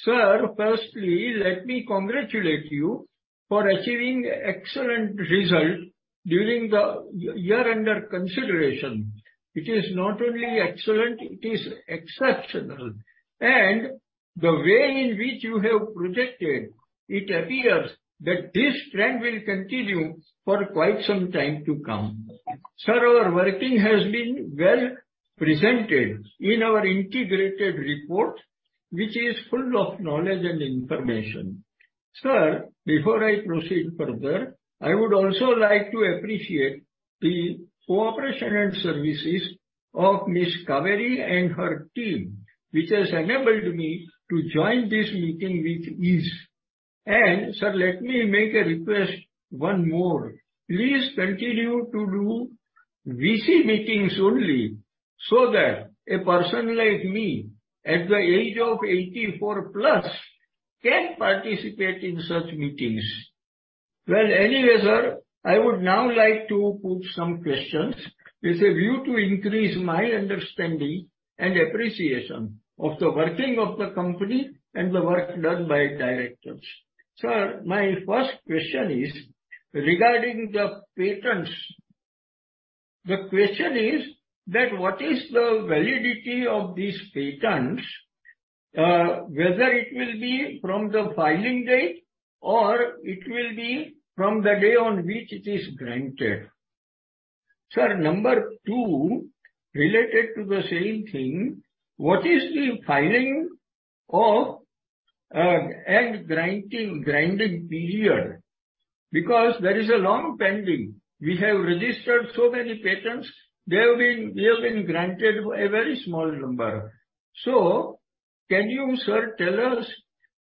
Sir, firstly, let me congratulate you for achieving excellent result during the year under consideration. It is not only excellent, it is exceptional. The way in which you have projected, it appears that this trend will continue for quite some time to come. Sir, our working has been well presented in our integrated report, which is full of knowledge and information. Sir, before I proceed further, I would also like to appreciate the cooperation and services of Ms. Cauveri and her team, which has enabled me to join this meeting with ease. Sir, let me make a request, one more. Please continue to do VC meetings only, so that a person like me, at the age of 84 plus, can participate in such meetings. Well, anyway, sir, I would now like to put some questions with a view to increase my understanding and appreciation of the working of the company and the work done by directors. Sir, my first question is regarding the patents. The question is that, what is the validity of these patents? Whether it will be from the filing date or it will be from the day on which it is granted. Sir, number 2, related to the same thing, what is the filing of and granting period? Because there is a long pending. We have registered so many patents, we have been granted a very small number. Can you, sir, tell us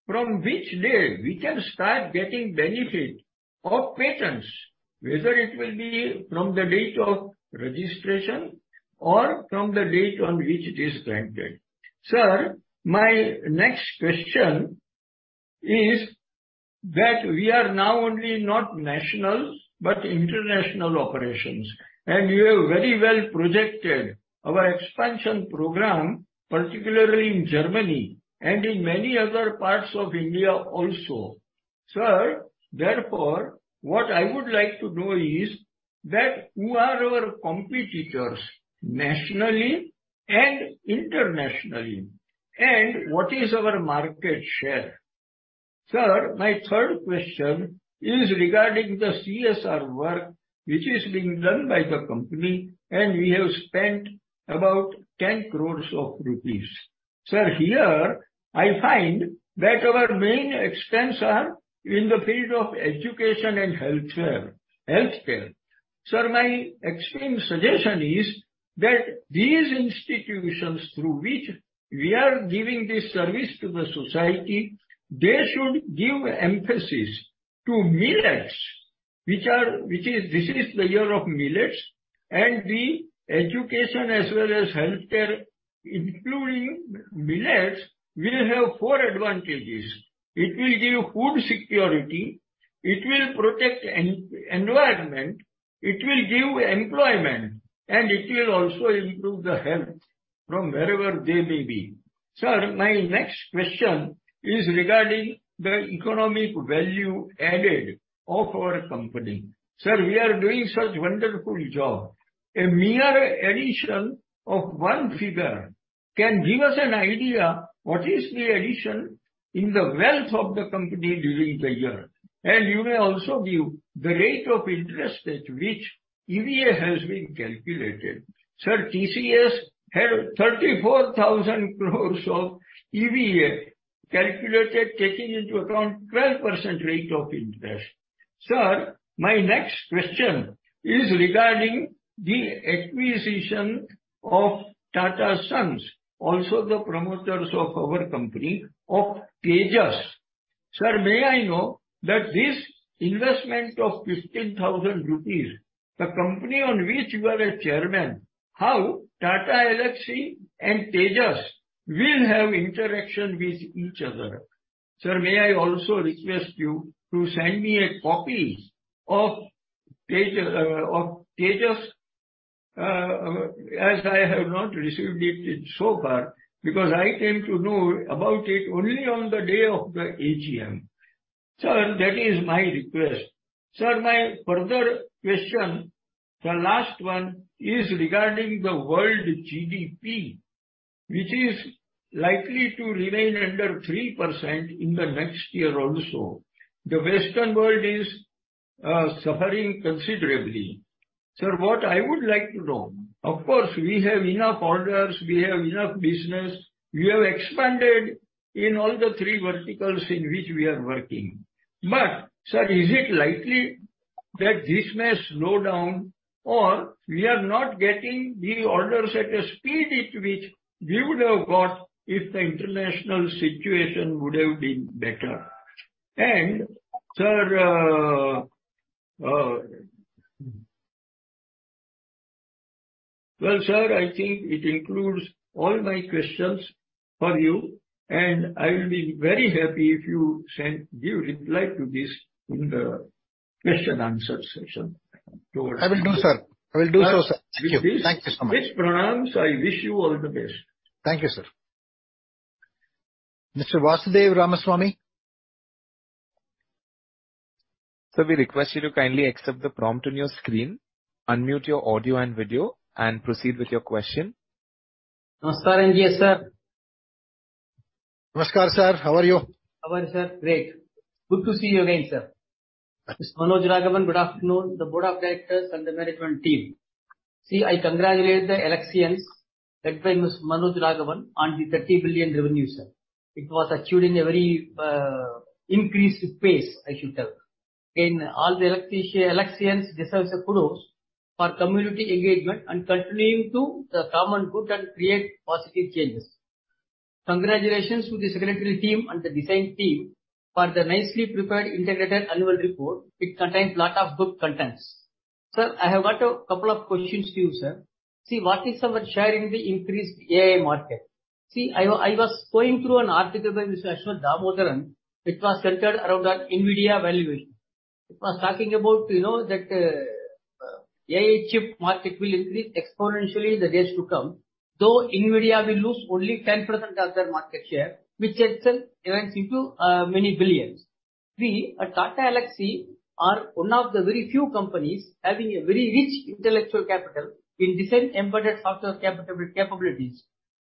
from which day we can start getting benefit of patents, whether it will be from the date of registration or from the date on which it is granted? Sir, my next question is that we are now only not national, but international operations. You have very well projected our expansion program, particularly in Germany and in many other parts of India also. Sir, therefore, what I would like to know is that, who are our competitors nationally and internationally, and what is our market share? Sir, my third question is regarding the CSR work, which is being done by the company. We have spent about 10 crore rupees. Sir, here I find that our main expense are in the field of education and healthcare. Sir, my extreme suggestion is that these institutions through which we are giving this service to the society, they should give emphasis to millets, which is... This is the year of millets, and the education as well as healthcare, including millets, will have four advantages: it will give food security, it will protect environment, it will give employment, and it will also improve the health from wherever they may be. Sir, my next question is regarding the economic value added of our company. Sir, we are doing such wonderful job. A mere addition of one figure can give us an idea, what is the addition in the wealth of the company during the year? You may also give the rate of interest at which EVA has been calculated. Sir, TCS have 34,000 crores of EVA calculated, taking into account 12% rate of interest. Sir, my next question is regarding the acquisition of Tata Sons, also the promoters of our company of Tejas. Sir, may I know that this investment of 15,000 rupees, the company on which you are a chairman, how Tata Elxsi and Tejas will have interaction with each other? Sir, may I also request you to send me a copy of Tejas, as I have not received it so far, because I came to know about it only on the day of the AGM. Sir, that is my request. Sir, my further question, the last one, is regarding the world GDP, which is likely to remain under 3% in the next year also. The Western world is suffering considerably. Sir, what I would like to know, of course, we have enough orders, we have enough business. We have expanded in all the three verticals in which we are working. Sir, is it likely that this may slow down, or we are not getting the orders at a speed at which we would have got if the international situation would have been better? Sir, well, sir, I think it includes all my questions for you, and I will be very happy if you send your reply to this in the question and answer session. I will do, sir. I will do so, sir. Thank you. Thank you so much. With pranams, I wish you all the best. Thank you, sir. Mr. Vasudev Ramaswamy? Sir, we request you to kindly accept the prompt on your screen, unmute your audio and video, and proceed with your question. Namaskar, NGS, sir. Namaskar, sir. How are you? How are you, sir? Great. Good to see you again, sir. Mr. Manoj Raghavan, good afternoon, the board of directors and the management team. I congratulate the Elxsians, led by Mr. Manoj Raghavan, on the 30 billion revenue, sir. It was achieved in a very increased pace, I should tell. In all, the Elxsians deserves a kudos for community engagement and continuing to the common good and create positive changes. Congratulations to the secretary team and the design team for the nicely prepared integrated annual report. It contains lot of good contents. Sir, I have got a couple of questions to you, sir. What is our share in the increased AI market? I was going through an article by Mr. Aswath Damodaran, which was centered around the NVIDIA valuation. It was talking about, you know, that AI chip market will increase exponentially in the days to come, though NVIDIA will lose only 10% of their market share, which itself runs into many billions. We at Tata Elxsi are one of the very few companies having a very rich intellectual capital in design embedded software capabilities.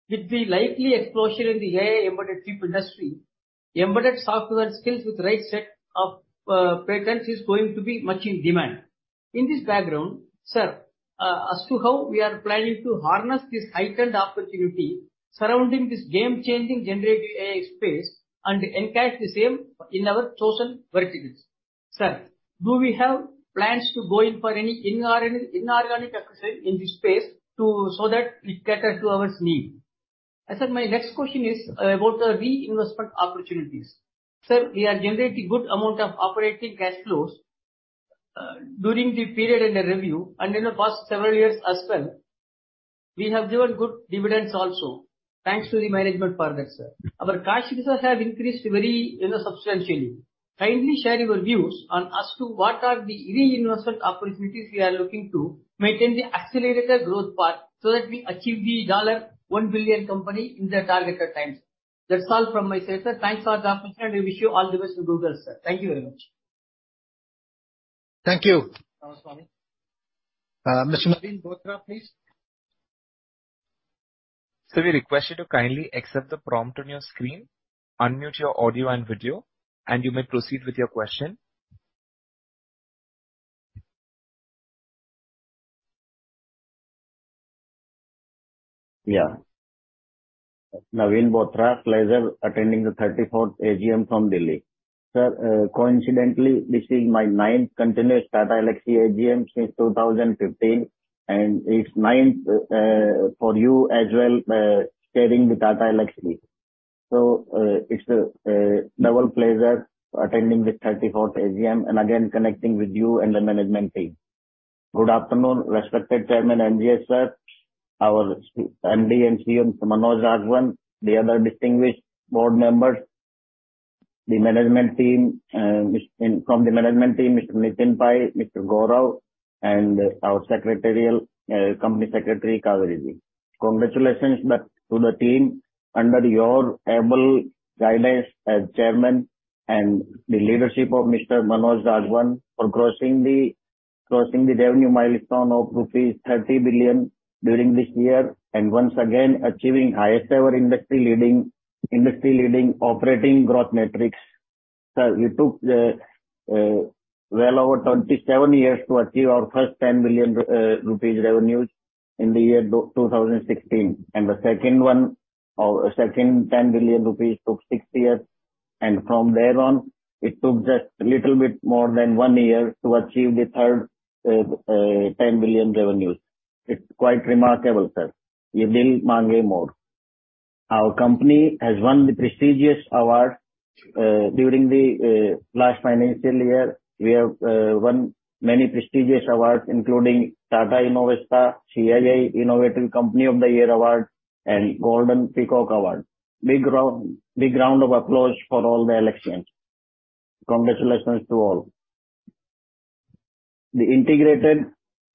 With the likely explosion in the AI embedded chip industry, embedded software skills with right set of patents is going to be much in demand. In this background, sir, as to how we are planning to harness this heightened opportunity surrounding this game-changing generative AI space and encash the same in our chosen verticals. Sir, do we have plans to go in for any inorganic acquisition in this space so that it cater to our need? Sir, my next question is about the reinvestment opportunities. Sir, we are generating good amount of operating cash flows during the period under review and in the past several years as well. We have given good dividends also. Thanks to the management for that, sir. Our cash reserves have increased very, you know, substantially. Kindly share your views on as to what are the reinvestment opportunities we are looking to maintain the accelerated growth path, so that we achieve the $1 billion company in the targeted time. That's all from my side, sir. Thanks for the opportunity, and we wish you all the best to do well, sir. Thank you very much. Thank you. Ramaswamy. Mr. Naveen Bothra, please. Sir, we request you to kindly accept the prompt on your screen, unmute your audio and video, and you may proceed with your question. Naveen Bothra, pleasure attending the 34th AGM from Delhi. Sir, coincidentally, this is my 9th continuous Tata Elxsi AGM since 2015, and it's 9th for you as well, staying with Tata Elxsi. It's a double pleasure attending the 34th AGM, and again, connecting with you and the management team. Good afternoon, respected Chairman NGS, sir, our MD and CEO, Mr. Manoj Raghavan, the other distinguished board members, the management team, Mr. Nitin Pai, Mr. Gaurav, and our secretarial company secretary, Cauveri. Congratulations back to the team under your able guidance as chairman and the leadership of Mr. Manoj Raghavan, for crossing the revenue milestone of rupees 30 billion during this year, and once again achieving highest ever industry leading operating growth metrics. Sir, you took well over 27 years to achieve our first 10 billion rupees revenues in the year 2016, the second one, or second 10 billion rupees took 6 years, from there on, it took just a little bit more than 1 year to achieve the third 10 billion revenues. It's quite remarkable, sir. Yeh Dil Maange More. Our company has won the prestigious award during the last financial year. We have won many prestigious awards, including Tata InnoVista, CII Innovative Company of the Year Award, and Golden Peacock Award. Big round of applause for all the Elxians. Congratulations to all.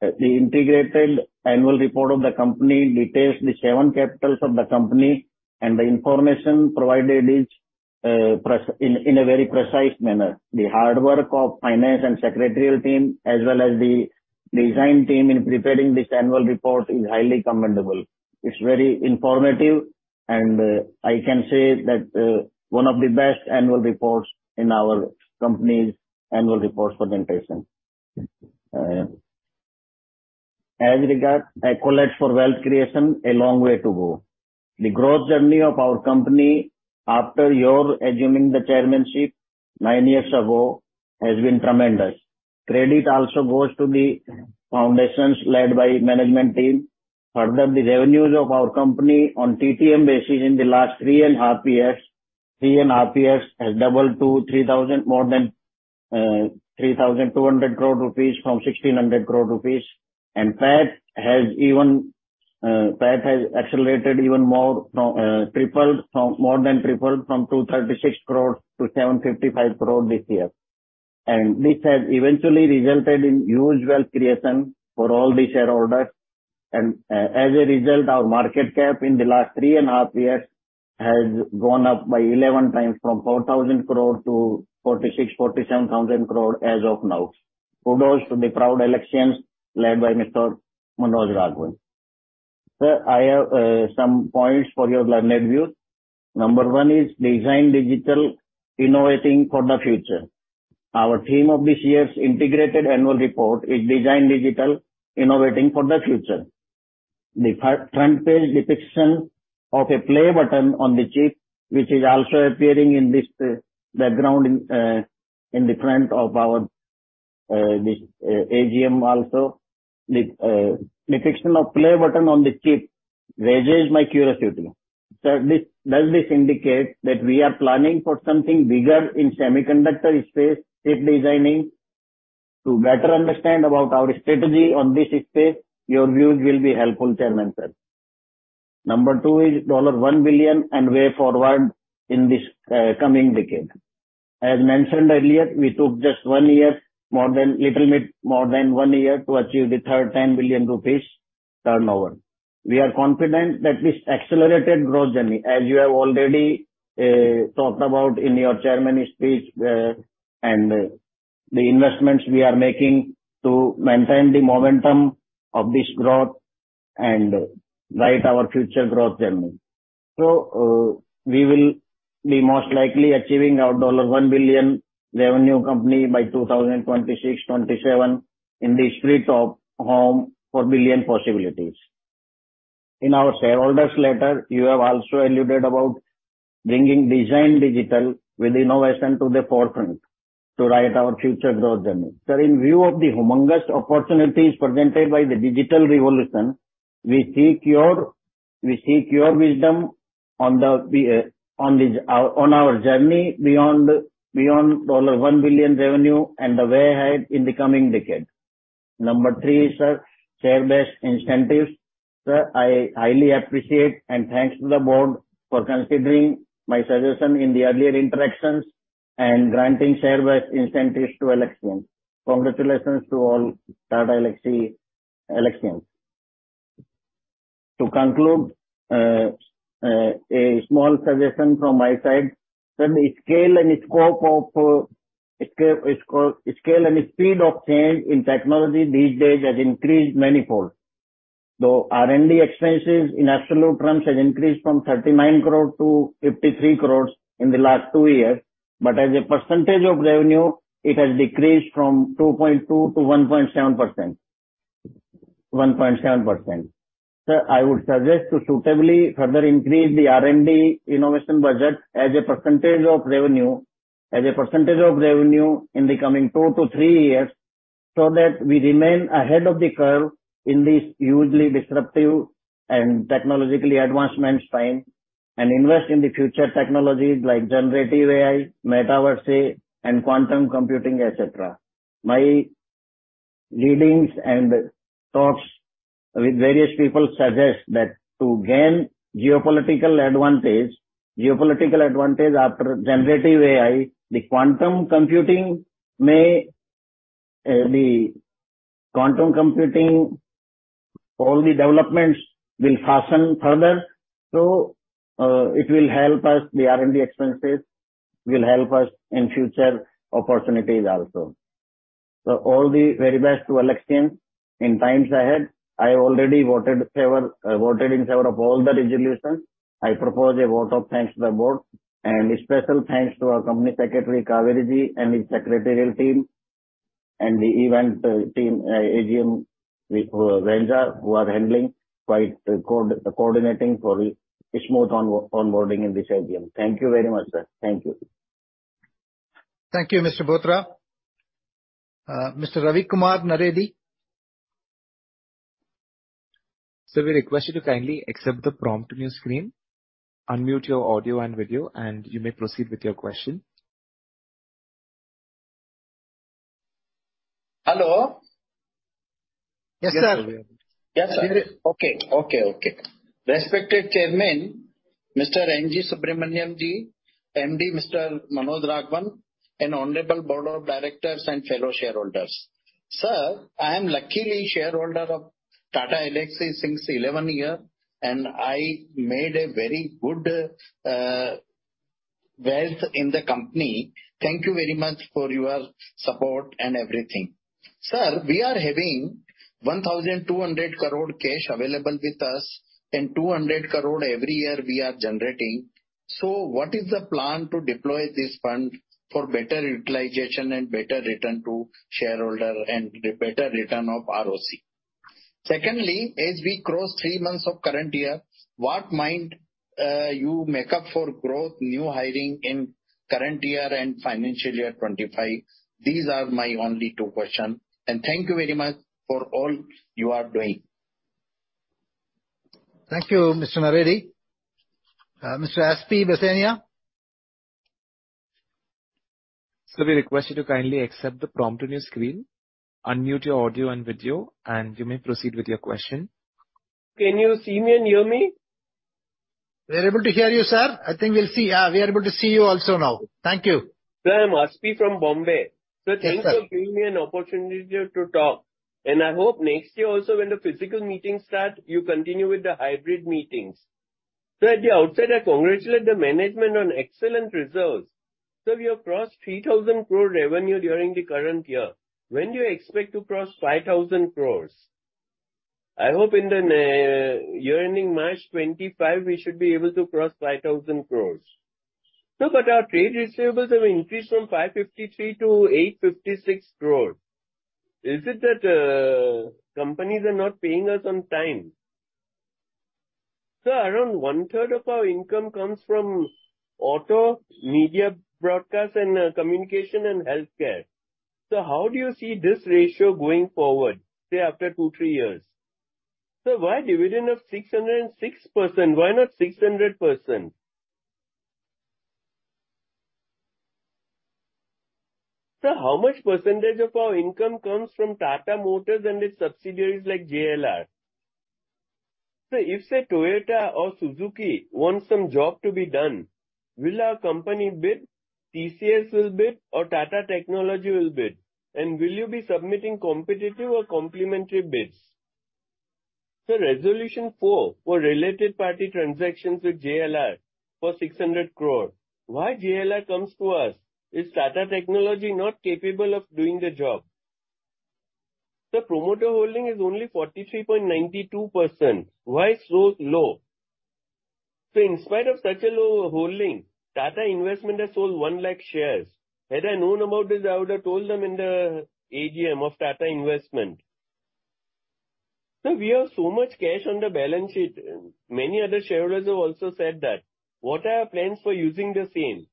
The integrated annual report of the company details the seven capitals of the company, the information provided is in a very precise manner. The hard work of finance and secretarial team, as well as the design team in preparing this annual report is highly commendable. It's very informative, and I can say that one of the best annual reports in our company's annual report presentation. As regard accolades for wealth creation, a long way to go. The growth journey of our company after your assuming the chairmanship nine years ago, has been tremendous. Credit also goes to the foundations led by management team. Further, the revenues of our company on TTM basis in the last three and a half years, three and a half years, has doubled to more than 3,200 crore rupees from 1,600 crore rupees. PAT has accelerated even more from more than tripled from 236 crore to 755 crore this year. This has eventually resulted in huge wealth creation for all the shareholders. As a result, our market cap in the last three and a half years has gone up by 11 times from 4,000 crore to 46,000-47,000 crore as of now. Kudos to the proud Elxsi led by Mr. Manoj Raghavan. Sir, I have some points for your kind view. Number one is Design Digital Innovating for the Future. Our theme of this year's integrated annual report is Design Digital Innovating for the Future. The front page depiction of a play button on the chip, which is also appearing in this background, in the front of our this AGM also. The depiction of play button on the chip raises my curiosity. Sir, does this indicate that we are planning for something bigger in semiconductor space, chip designing? To better understand about our strategy on this space, your views will be helpful, Chairman, sir. Number two is $1 billion and way forward in this coming decade. As mentioned earlier, we took just one year, more than, little bit more than one year, to achieve the third 10 billion rupees turnover. We are confident that this accelerated growth journey, as you have already talked about in your chairman speech, and the investments we are making to maintain the momentum of this growth and write our future growth journey. We will be most likely achieving our $1 billion revenue company by 2026, 2027, in the spirit of home for billion possibilities. In our shareholders letter, you have also alluded about bringing design digital with innovation to the forefront to write our future growth journey. In view of the humongous opportunities presented by the digital revolution, we seek your wisdom on this, on our journey beyond $1 billion revenue, and the way ahead in the coming decade. Number 3, sir: share-based incentives. Sir, I highly appreciate and thanks to the board for considering my suggestion in the earlier interactions and granting share-based incentives to Elxsians. Congratulations to all Tata Elxsi, Elxsians. To conclude, a small suggestion from my side, sir, the scale and speed of change in technology these days has increased manifold. R&D expenses in absolute terms has increased from 39 crore to 53 crore in the last 2 years, as a percentage of revenue, it has decreased from 2.2% to 1.7%. Sir, I would suggest to suitably further increase the R&D innovation budget as a percentage of revenue in the coming 2-3 years, that we remain ahead of the curve in this hugely disruptive and technologically advancement time, and invest in the future technologies like generative AI, metaverse, and quantum computing, et cetera. My readings and talks with various people suggest that to gain geopolitical advantage after generative AI, the quantum computing, all the developments will fasten further. It will help us. The R&D expenses will help us in future opportunities also. All the very best to Elxsi in times ahead. I already voted in favor of all the resolutions. I propose a vote of thanks to the board, and a special thanks to our company secretary, Kaveri Ji, and the secretarial team, and the event team, AGM, Velja, who are handling, quite coordinating for the smooth onboarding in this AGM. Thank you very much, sir. Thank you. Thank you, Mr. Bothra. Mr. Ravi Kumar Naredi? Sir, we request you to kindly accept the prompt on your screen. Unmute your audio and video, and you may proceed with your question. Hello? Yes, sir. Yes, sir. Okay. Respected Chairman, Mr. NG Subramaniam Ji, MD, Mr. Manoj Raghavan, and honorable board of directors and fellow shareholders. Sir, I am luckily shareholder of Tata Elxsi since 11 year, and I made a very good wealth in the company. Thank you very much for your support and everything. Sir, we are having 1,200 crore cash available with us and 200 crore every year we are generating. What is the plan to deploy this fund for better utilization and better return to shareholder and the better return of ROC? Secondly, as we cross 3 months of current year, what mind you make up for growth, new hiring in current year and financial year 25? These are my only 2 question, thank you very much for all you are doing. Thank you, Mr. Naredi. Mr. Aspi Basania? Sir, we request you to kindly accept the prompt on your screen. Unmute your audio and video, you may proceed with your question. Can you see me and hear me? We're able to hear you, sir. Yeah, we are able to see you also now. Thank you. Sir, I'm Aspi from Bombay. Yes, sir. Thanks for giving me an opportunity to talk, and I hope next year also, when the physical meeting starts, you continue with the hybrid meetings. At the outset, I congratulate the management on excellent results. Sir, we have crossed 3,000 crore revenue during the current year. When do you expect to cross 5,000 crore? I hope in the year-ending March 2025, we should be able to cross 5,000 crore. Sir, our trade receivables have increased from 553 to 856 crore. Is it that companies are not paying us on time? Sir, around one third of our income comes from auto, media, broadcast, and communication and healthcare. How do you see this ratio going forward, say, after two, three years? Sir, why dividend of 606%? Why not 600%? Sir, how much percentage of our income comes from Tata Motors and its subsidiaries, like JLR? Sir, if, say, Toyota or Suzuki wants some job to be done, will our company bid, TCS will bid, or Tata Technologies will bid? Will you be submitting competitive or complimentary bids? Sir, resolution 4 for related party transactions with JLR for 600 crore. Why JLR comes to us? Is Tata Technologies not capable of doing the job? Sir, promoter holding is only 43.92%. Why so low? In spite of such a low holding, Tata Investment Corporation has sold 1 lakh shares. Had I known about this, I would have told them in the AGM of Tata Investment Corporation. Sir, we have so much cash on the balance sheet, many other shareholders have also said that. What are our plans for using the same?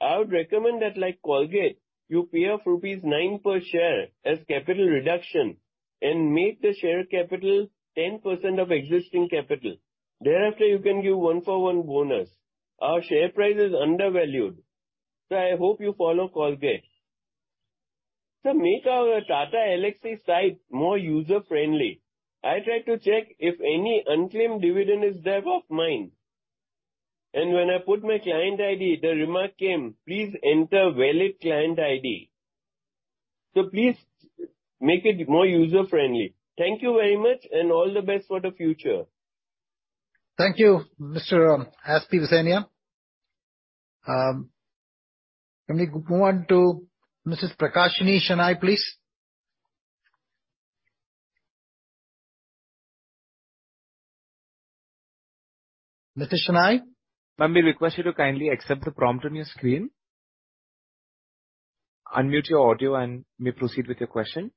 I would recommend that, like Colgate, you pay off rupees 9 per share as capital reduction and make the share capital 10% of existing capital. Thereafter, you can give 1 for 1 bonus. Our share price is undervalued, I hope you follow Colgate. Sir, make our Tata Elxsi site more user-friendly. I tried to check if any unclaimed dividend is there of mine, when I put my client ID, the remark came: "Please enter valid client ID." Please make it more user-friendly. Thank you very much, and all the best for the future. Thank you, Mr. Aspi Basania. Let me move on to Mrs. Prakashini Shenoy, please. Mrs. Shanoy? Ma'am, we request you to kindly accept the prompt on your screen. Unmute your audio, and you may proceed with your question.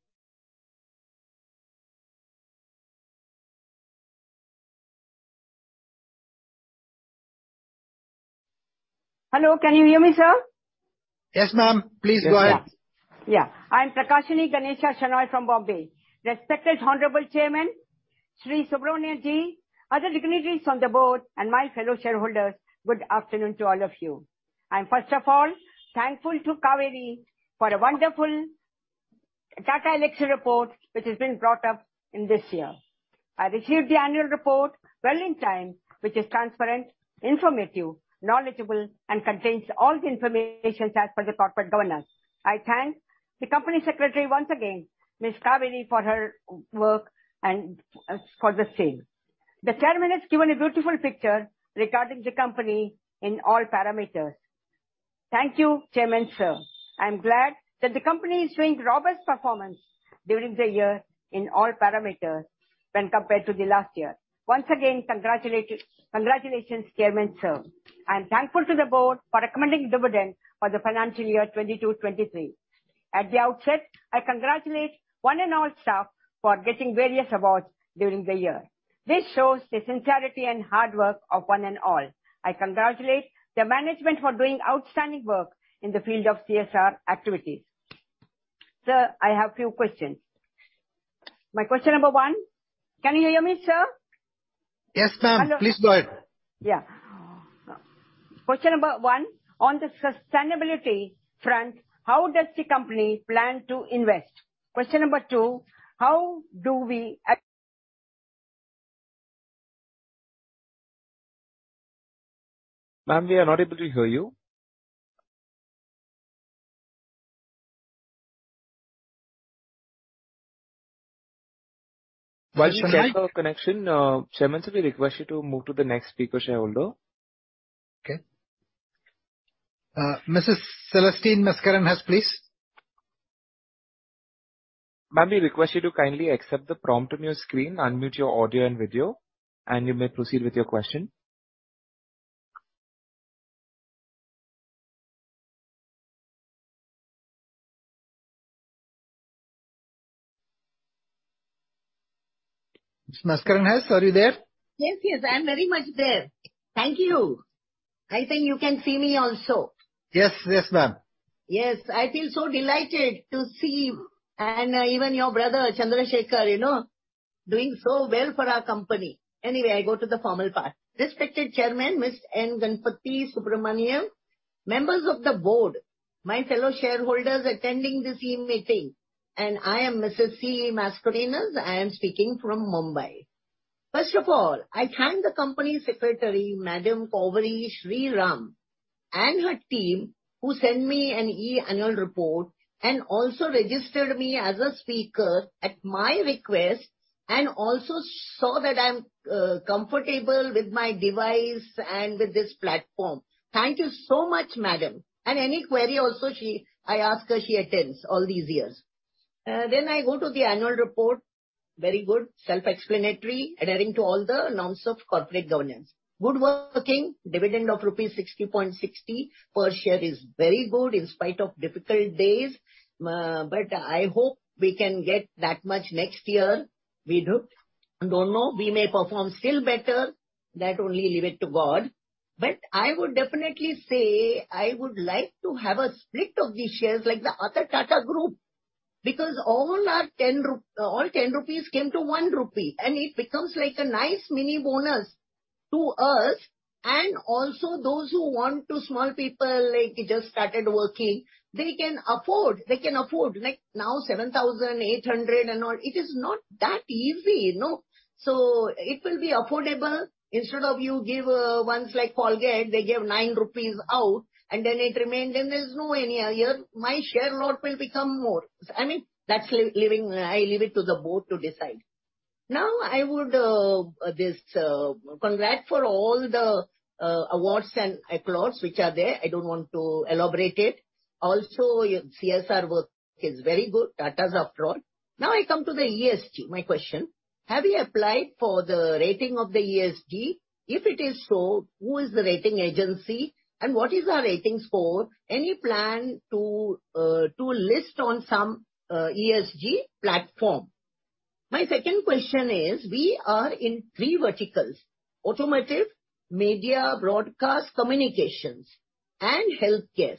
Hello, can you hear me, sir? Yes, ma'am. Please go ahead. Yes, sir. I'm Prakashini Ganeshan Shanoy from Bombay. Respected honorable Chairman, Shri Subrahmanyam Ji, other dignitaries on the board, and my fellow shareholders, good afternoon to all of you. I'm first of all thankful to Kaveri for a wonderful Tata Elxsi report, which has been brought up in this year. I received the annual report well in time, which is transparent, informative, knowledgeable, and contains all the informations as per the corporate governance. I thank the Company Secretary once again, Ms. Kaveri, for her work and for the same. The Chairman has given a beautiful picture regarding the company in all parameters. Thank you, Chairman, sir. I'm glad that the company is showing robust performance during the year in all parameters when compared to the last year. Once again, congratulations, Chairman, sir. I'm thankful to the board for recommending dividend for the financial year 2022, 2023. At the outset, I congratulate one and all staff for getting various awards during the year. This shows the sincerity and hard work of one and all. I congratulate the management for doing outstanding work in the field of CSR activities. Sir, I have few questions. My question number one... Can you hear me, sir? Yes, ma'am. Hello. Please go ahead. Yeah. Question number one, on the sustainability front, how does the company plan to invest? Question number two. Ma'am, we are not able to hear you. While you check your connection, Chairman, sir, we request you to move to the next speaker shareholder. Mrs. Celestine Mascarenhas, please. Ma'am, we request you to kindly accept the prompt on your screen, unmute your audio and video, and you may proceed with your question. Ms. Mascarenhas, are you there? Yes, yes, I am very much there. Thank you. I think you can see me also. Yes, yes, ma'am. Yes, I feel so delighted to see you and even your brother, Chandrasekhar, you know, doing so well for our company. Anyway, I go to the formal part. Respected Chairman, Mr. N. Ganapathi Subramaniam, members of the board, my fellow shareholders attending this e-meeting, and I am Mrs. C. Mascarenhas. I am speaking from Mumbai. First of all, I thank the Company Secretary, Madam Kaveri Sriram, and her team, who sent me an e-annual report and also registered me as a speaker at my request, and also saw that I'm comfortable with my device and with this platform. Thank you so much, madam. Any query also I ask her, she attends all these years. I go to the annual report. Very good, self-explanatory, adhering to all the norms of corporate governance. Good working, dividend of rupees 60.60 per share is very good in spite of difficult days. I hope we can get that much next year. Don't know, we may perform still better, that only leave it to God. I would definitely say I would like to have a split of the shares like the other Tata Group, because all our 10 rupees came to 1 rupee, and it becomes like a nice mini bonus to us and also those who want to, small people, like they just started working, they can afford. Like, now 7,800 and all, it is not that easy, you know? It will be affordable. Instead of you give, once like Colgate, they gave 9 rupees out, and then it remained, and there's no any other. My share lot will become more. I mean, that's leaving, I leave it to the board to decide. I would this congrats for all the awards and applause which are there. I don't want to elaborate it. Your CSR work is very good. Tata's applaud. I come to the ESG. My question. Have you applied for the rating of the ESG? If it is so, who is the rating agency, and what is our ratings for? Any plan to list on some ESG platform? My second question is, we are in 3 verticals: automotive, media, broadcast communications, and healthcare.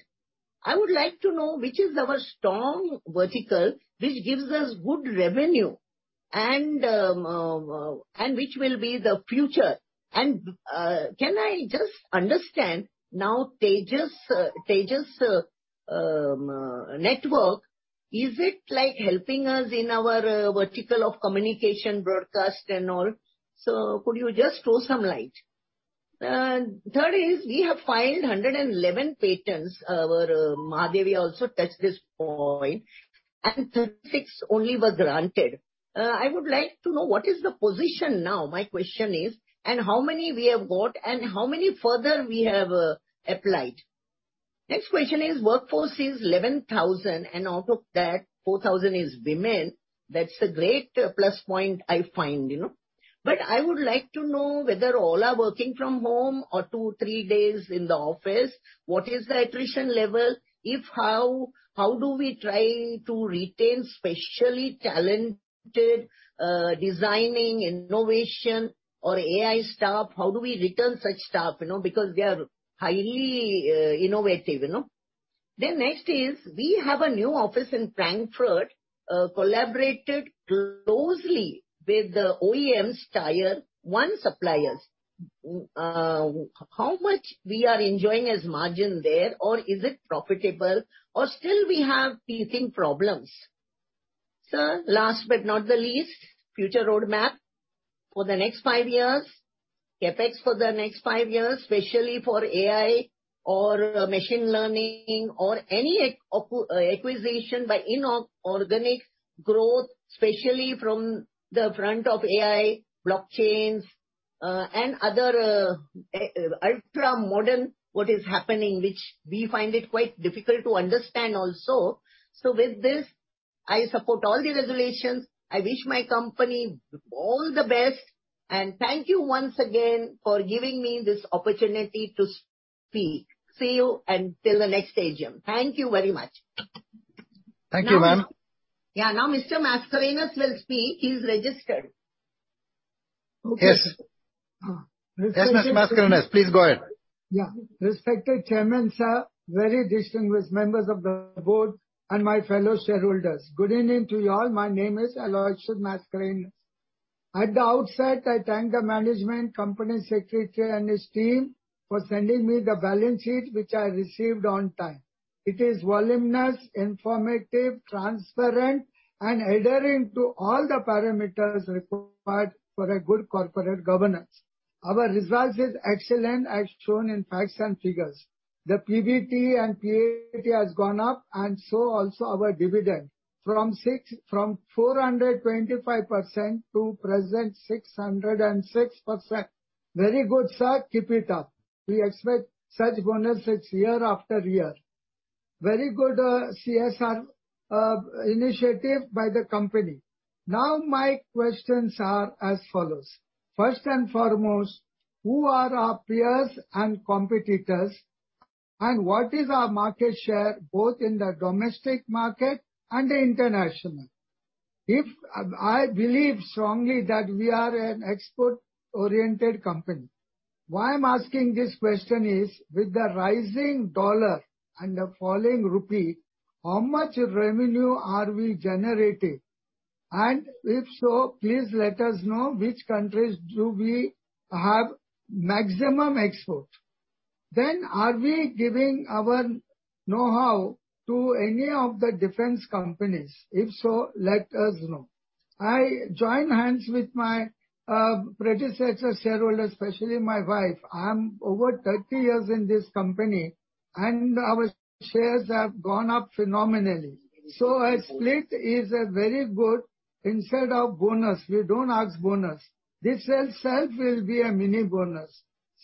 I would like to know which is our strong vertical, which gives us good revenue and which will be the future. Can I just understand now Tejas Networks, is it like helping us in our vertical of communication, broadcast and all? Could you just throw some light? Third is, we have filed 111 patents. Our Mahadevia also touched this point, and 36 only were granted. I would like to know, what is the position now, my question is, and how many we have got and how many further we have applied? Next question is, workforce is 11,000, and out of that, 4,000 is women. That's a great plus point I find, you know. I would like to know whether all are working from home or 2, 3 days in the office. What is the attrition level? If how do we try to retain specially talented designing, innovation or AI staff? How do we retain such staff, you know, because they are highly innovative, you know? We have a new office in Frankfurt, collaborated closely with the OEMs Tier One suppliers. How much we are enjoying as margin there, or is it profitable, or still we have teething problems? Sir, last but not the least, future roadmap for the next five years, CapEx for the next five years, especially for AI or machine learning, or any acquisition by organic growth, especially from the front of AI, blockchains, and other ultra-modern, what is happening, which we find it quite difficult to understand also. I support all the resolutions. I wish my company all the best, and thank you once again for giving me this opportunity to speak. See you until the next AGM. Thank you very much. Thank you, ma'am. Yeah. Now, Mr. Mascarenhas will speak. He is registered. Yes. Uh. Yes, Mr. Mascarenhas, please go ahead. Respected Chairman, sir, very distinguished members of the board and my fellow shareholders, good evening to you all. My name is Aloysius Mascarenhas. At the outset, I thank the management, company secretary, and his team for sending me the balance sheet, which I received on time. It is voluminous, informative, transparent, and adhering to all the parameters required for a good corporate governance. Our results is excellent, as shown in facts and figures. The PBT and PAT has gone up, and so also our dividend from 425% to present 606%. Very good, sir. Keep it up. We expect such bonuses year after year. Very good, CSR initiative by the company. My questions are as follows: First and foremost, who are our peers and competitors, and what is our market share, both in the domestic market and the international? I believe strongly that we are an export-oriented company. Why I'm asking this question is, with the rising dollar and the falling rupee, how much revenue are we generating? If so, please let us know which countries do we have maximum export. Are we giving our know-how to any of the defense companies? If so, let us know. I join hands with my predecessor shareholders, especially my wife. I'm over 30 years in this company, our shares have gone up phenomenally. A split is a very good instead of bonus. We don't ask bonus. This sale itself will be a mini bonus.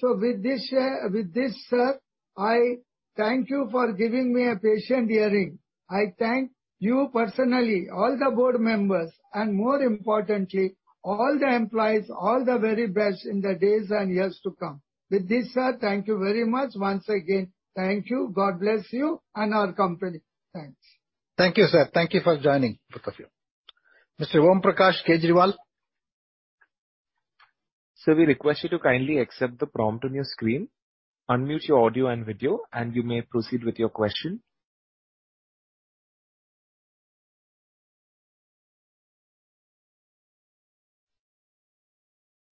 With this, sir, I thank you for giving me a patient hearing. I thank you personally, all the board members, and more importantly, all the employees, all the very best in the days and years to come. With this, sir, thank you very much. Once again, thank you. God bless you and our company. Thanks. Thank you, sir. Thank you for joining, both of you. Mr. Om Prakash Kejriwal? Sir, we request you to kindly accept the prompt on your screen. Unmute your audio and video, you may proceed with your question.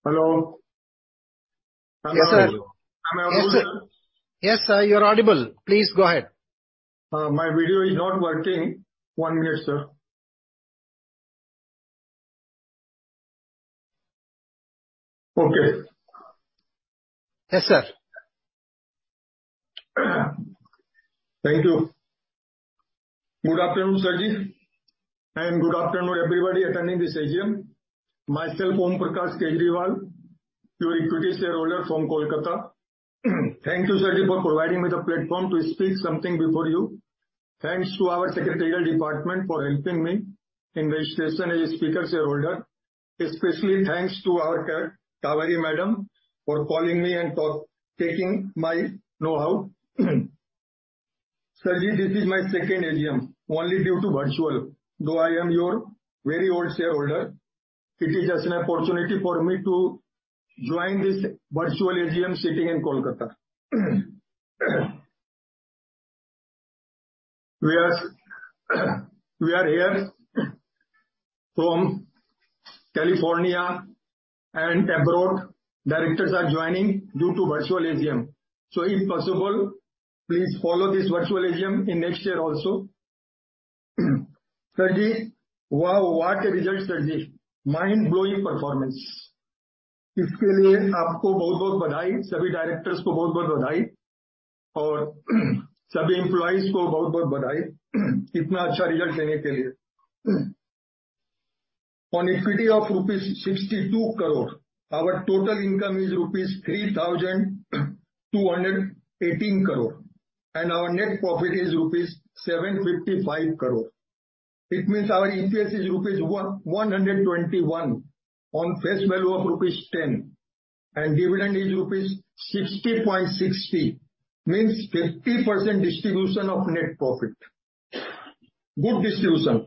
Hello? Yes, sir. Am I audible? Yes, sir. You're audible. Please, go ahead. my video is not working. 1 minute, sir. Okay. Yes, sir. Thank you. Good afternoon, Sirji, good afternoon, everybody attending this AGM. Myself, Om Prakash Kejriwal, your equity shareholder from Kolkata. Thank you, Sirji, for providing me the platform to speak something before you. Thanks to our secretarial department for helping me in registration as a speaker shareholder. Especially, thanks to our CA, Cauveri madam, for calling me and taking my know-how. Sirji, this is my second AGM, only due to virtual, though I am your very old shareholder. It is just an opportunity for me to join this virtual AGM sitting in Kolkata. We are here from California and abroad, directors are joining due to virtual AGM. If possible, please follow this virtual AGM in next year also. Sirji, wow, what a result, Sirji! Mind-blowing performance. इसके लिए आपको बहुत-बहुत बधाई। सभी Directors को बहुत-बहुत बधाई, सभी employees को बहुत-बहुत बधाई, इतना अच्छा रिजल्ट देने के लिए। On equity of rupees 62 crore, our total income is rupees 3,218 crore, our net profit is rupees 755 crore. It means our EPS is rupees 121 on face value of rupees 10, dividend is rupees 60.60, means 50% distribution of net profit. Good distribution.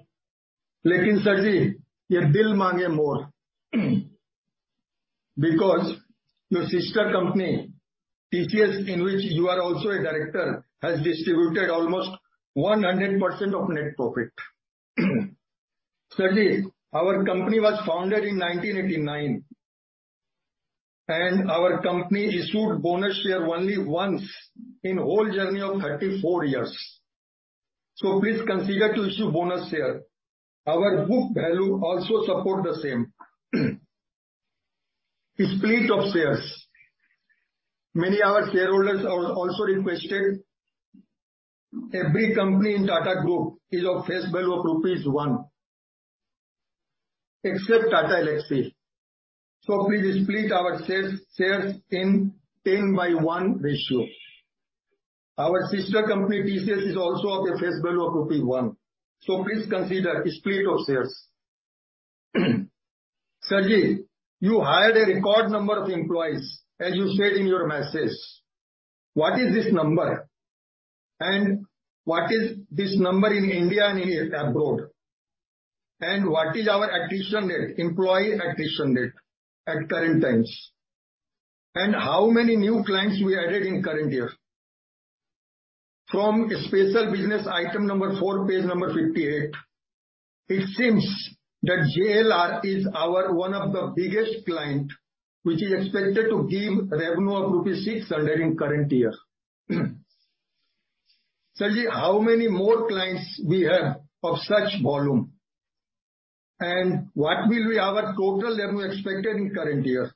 Sirji, यह दिल मांगे मोर। Your sister company, TCS, in which you are also a Director, has distributed almost 100% of net profit. Sirji, our company was founded in 1989, our company issued bonus share only once in whole journey of 34 years. Please consider to issue bonus share. Our book value also support the same. A split of shares. Many our shareholders are also requested, every company in Tata Group is of face value of rupees 1, except Tata Elxsi. Please split our shares in 10:1 ratio. Our sister company, TCS, is also of a face value of rupee 1. Please consider a split of shares. Sirji, you hired a record number of employees, as you said in your message. What is this number? What is this number in India and in abroad? What is our employee attrition rate at current times? How many new clients we added in current year? From a special business item number 4, page number 58, it seems that JLR is our one of the biggest client, which is expected to give revenue of rupees 600 in current year. Sir, how many more clients we have of such volume, and what will be our total revenue expected in current year?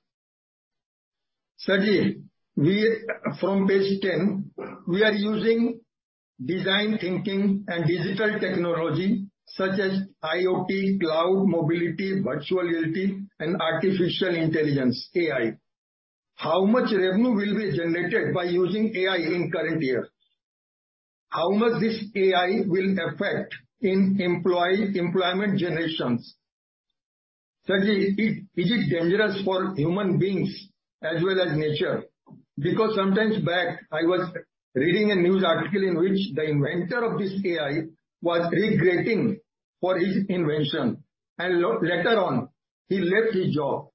Sir, we, from page 10, we are using design thinking and digital technology such as IoT, cloud, mobility, virtual reality, and artificial intelligence, AI. How much revenue will be generated by using AI in current year? How much this AI will affect in employee employment generations? Sir, is it dangerous for human beings as well as nature? Some time back, I was reading a news article in which the inventor of this AI was regretting for his invention, and later on, he left his job.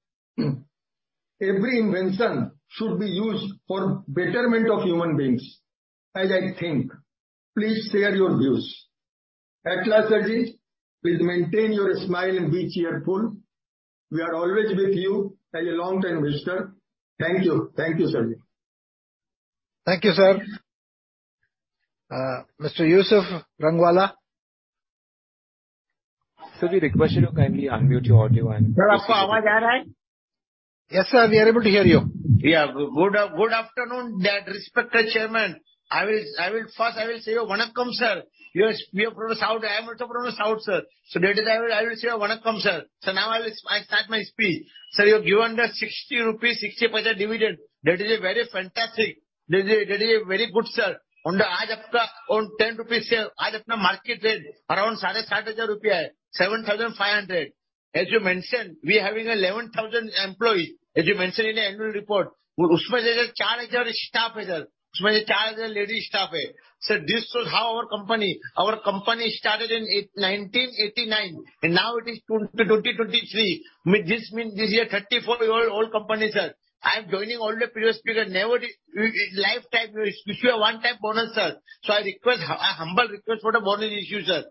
Every invention should be used for betterment of human beings, as I think. Please share your views. At last, sir, please maintain your smile and be cheerful. We are always with you as a long-term investor. Thank you. Thank you, sir. Thank you, sir. Mr. Yusuf Rangwala? Sir, we request you to kindly unmute your audio. Sir, apka awaaz aa raha hai? Yes, sir, we are able to hear you. Good afternoon, dear respected Chairman. I will first say vanakkam, sir. We are from the South. I am also from the South, sir. That is why I will say vanakkam, sir. Now I will start my speech. Sir, you've given the 60.60 rupees dividend. That is a very fantastic. That is a very good, sir. On the aaj apka on INR 10 share, aaj apna market rate around sada sattar hajar rupiya, 7,500. As you mentioned, we are having 11,000 employees, as you mentioned in the annual report. Usme se 4,000 staff hai, sir. Usme se 4,000 lady staff hai. Sir, this was how our company started in 1989, and now it is 2023. With this means this year, 34-year-old company, sir. I'm joining all the previous speaker, never the lifetime, issue a one-time bonus, sir. I request, a humble request for the bonus issue, sir,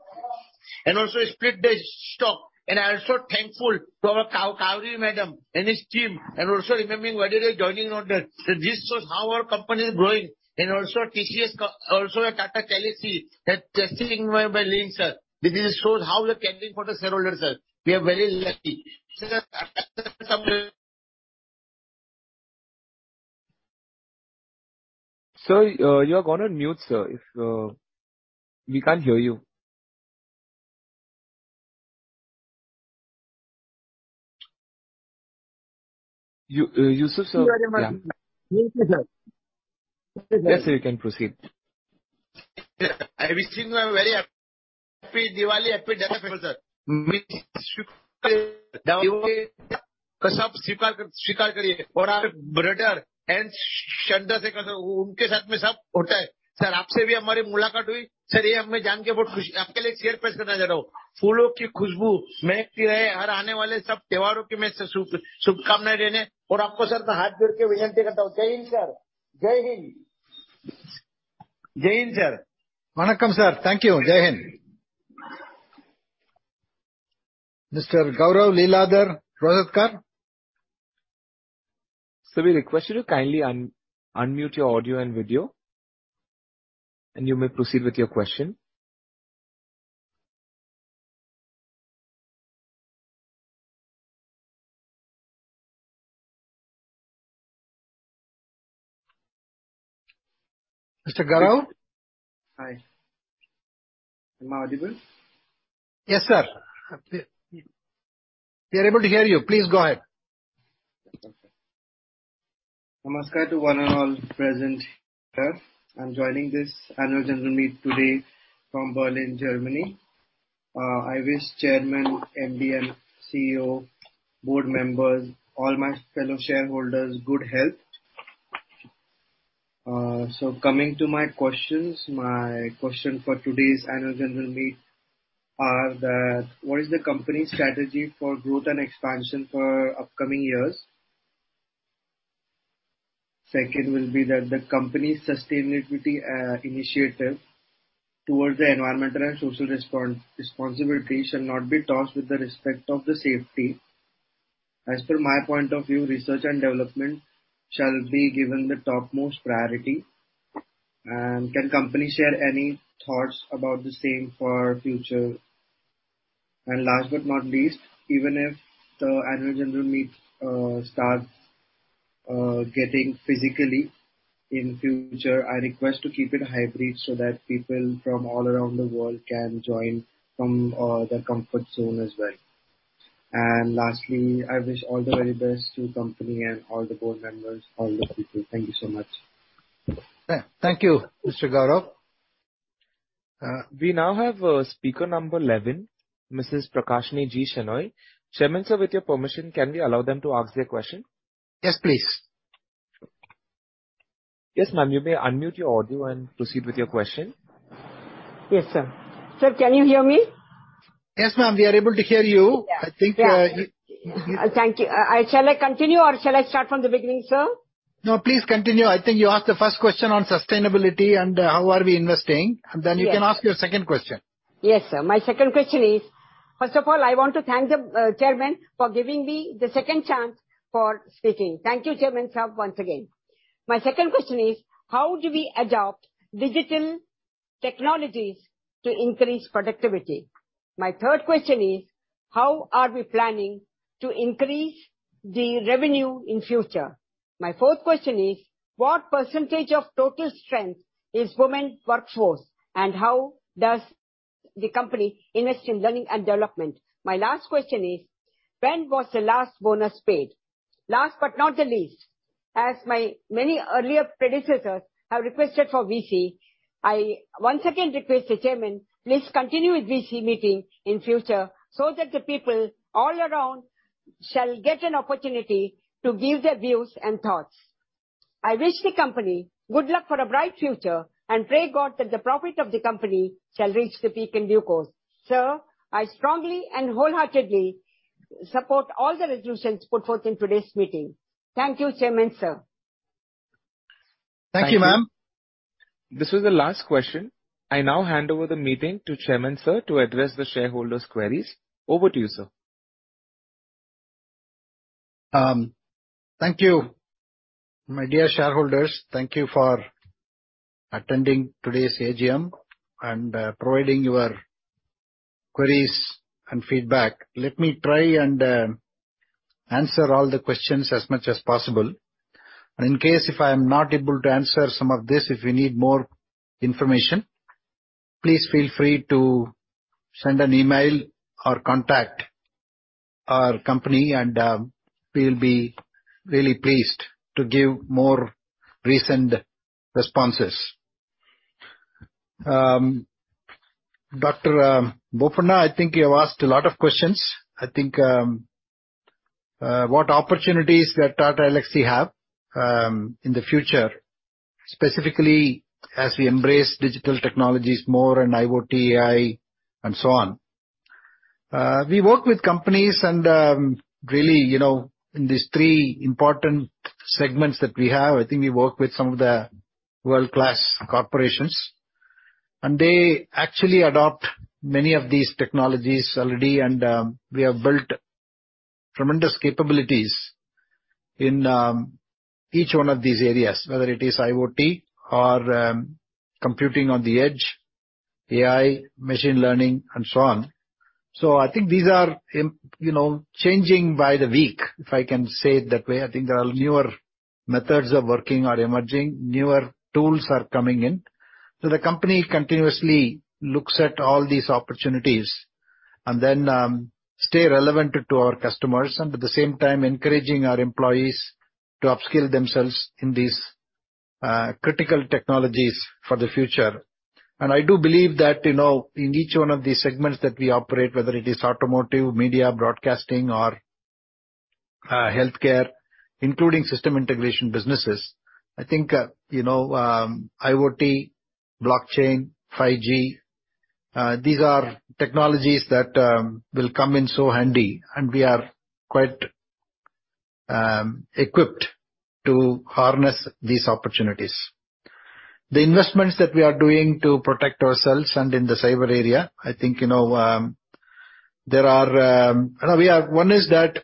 and also split the stock. I'm so thankful to our Kauri madam and his team, and also remembering why they are joining on that. This shows how our company is growing, and also TCS, Tata Teleservices, that testing by link, sir. This shows how they're caring for the shareholder, sir. We are very lucky. Sir, you are gone on mute, sir. We can't hear you. You, Yusuf, sir? Yeah. Mute, sir. Yes, sir, you can proceed. I wish you a very happy Diwali, happy Dashera, sir. May you all accept, svikar kariye, and our brother and Shanda, unke saath mein sab hota hai. Sir, aapse bhi hamari mulakat hui. Sir, ye hum mein jaan ke bahut khushi, aapke liye ek share pass karna chahata hun. Phoolon ki khusbu mehkti rahe, har aane wale sab tyoharon ki main su-shubhkamnaen dene, aur apko sir main haath jodke vinanti karta hun. Jai Hind, sir. Jai Hind! Jai Hind, sir. Vanakam, sir. Thank you. Jai Hind. Mr. Gaurav Leeladhar Rojatkar? Sir, we request you to kindly unmute your audio and video, and you may proceed with your question. Mr. Gaurav? Hi. Am I audible? Yes, sir. We are able to hear you. Please go ahead. Namaskar to one and all present here. I'm joining this annual general meet today from Berlin, Germany. I wish chairman, MD and CEO, board members, all my fellow shareholders, good health. Coming to my questions, my question for today's annual general meet are that, what is the company's strategy for growth and expansion for upcoming years? Second will be that the company's sustainability initiative towards the environmental and social responsibility shall not be tossed with the respect of the safety. As per my point of view, research and development shall be given the topmost priority. Can company share any thoughts about the same for future? Last but not least, even if the annual general meet starts getting physically in future, I request to keep it hybrid so that people from all around the world can join from their comfort zone as well. Lastly, I wish all the very best to Company and all the board members, all the people. Thank you so much. Thank you, Mr. Gaurav. We now have speaker number 11, Mrs. Prakashni G. Shenoy. Chairman Sir, with your permission, can we allow them to ask their question? Yes, please. Yes, ma'am, you may unmute your audio and proceed with your question. Yes, sir. Sir, can you hear me? Yes, ma'am, we are able to hear you. Yeah. I think. Thank you. Shall I continue, or shall I start from the beginning, sir? Please continue. I think you asked the first question on sustainability and how are we investing. Yes. You can ask your second question. Yes, sir. My second question is, first of all, I want to thank the Chairman for giving me the second chance for speaking. Thank you, Chairman, sir, once again. My second question is: How do we adopt digital technologies to increase productivity? My third question is: How are we planning to increase the revenue in future? My fourth question is: What % of total strength is women workforce, and how does the company invest in learning and development? My last question is: When was the last bonus paid? Last but not the least, as my many earlier predecessors have requested for VC, I once again request the Chairman, please continue with VC meeting in future so that the people all around shall get an opportunity to give their views and thoughts. I wish the company good luck for a bright future, and pray God that the profit of the company shall reach the peak in due course. Sir, I strongly and wholeheartedly support all the resolutions put forth in today's meeting. Thank you, Chairman, sir. Thank you, ma'am. This was the last question. I now hand over the meeting to Chairman, sir, to address the shareholders' queries. Over to you, sir. Thank you. My dear shareholders, thank you for attending today's AGM and providing your queries and feedback. Let me try and answer all the questions as much as possible. In case if I'm not able to answer some of this, if you need more information, please feel free to send an email or contact our company, and we'll be really pleased to give more recent responses. Dr. Boppana, I think you have asked a lot of questions. I think what opportunities that Tata Elxsi have in the future, specifically as we embrace digital technologies more and IoT, AI, and so on. We work with companies and really, you know, in these three important segments that we have, I think we work with some of the world-class corporations. They actually adopt many of these technologies already, and we have built tremendous capabilities in each one of these areas, whether it is IoT or computing on the edge, AI, machine learning, and so on. I think these are, you know, changing by the week, if I can say it that way. I think there are newer methods of working are emerging, newer tools are coming in. The company continuously looks at all these opportunities and then stay relevant to our customers and at the same time encouraging our employees to upskill themselves in these critical technologies for the future. I do believe that, you know, in each one of these segments that we operate, whether it is automotive, media, broadcasting or healthcare, including system integration businesses, I think, you know, IoT, blockchain, 5G, these are technologies that will come in so handy, and we are quite equipped to harness these opportunities. The investments that we are doing to protect ourselves and in the cyber area, I think, you know, there are. One is that,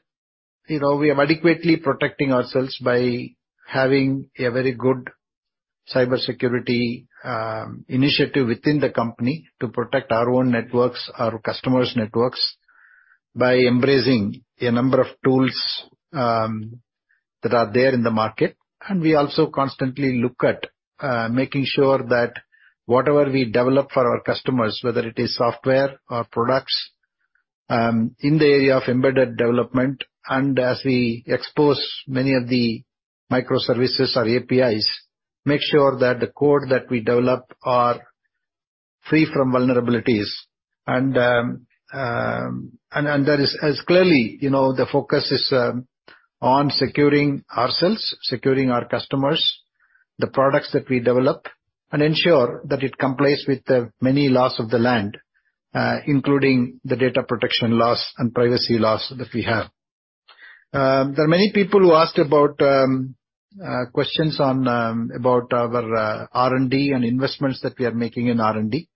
you know, we are adequately protecting ourselves by having a very good cybersecurity initiative within the company to protect our own networks, our customers' networks, by embracing a number of tools that are there in the market. We also constantly look at making sure that whatever we develop for our customers, whether it is software or products in the area of embedded development, and as we expose many of the microservices or APIs, make sure that the code that we develop are free from vulnerabilities. Clearly, you know, the focus is on securing ourselves, securing our customers, the products that we develop, and ensure that it complies with the many laws of the land, including the data protection laws and privacy laws that we have. There are many people who asked about questions on about our R&D and investments that we are making in R&D.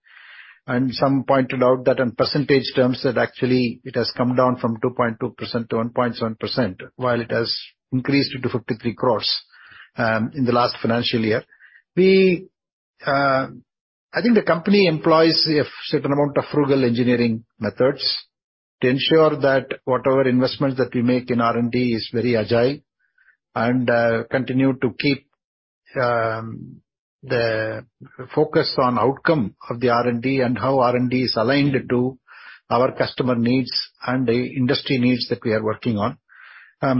Some pointed out that on percentage terms, that actually it has come down from 2.2% to 1.7%, while it has increased to 53 crores in the last financial year. I think the company employs a certain amount of frugal engineering methods to ensure that whatever investments that we make in R&D is very agile, and continue to keep the focus on outcome of the R&D, and how R&D is aligned to our customer needs and the industry needs that we are working on.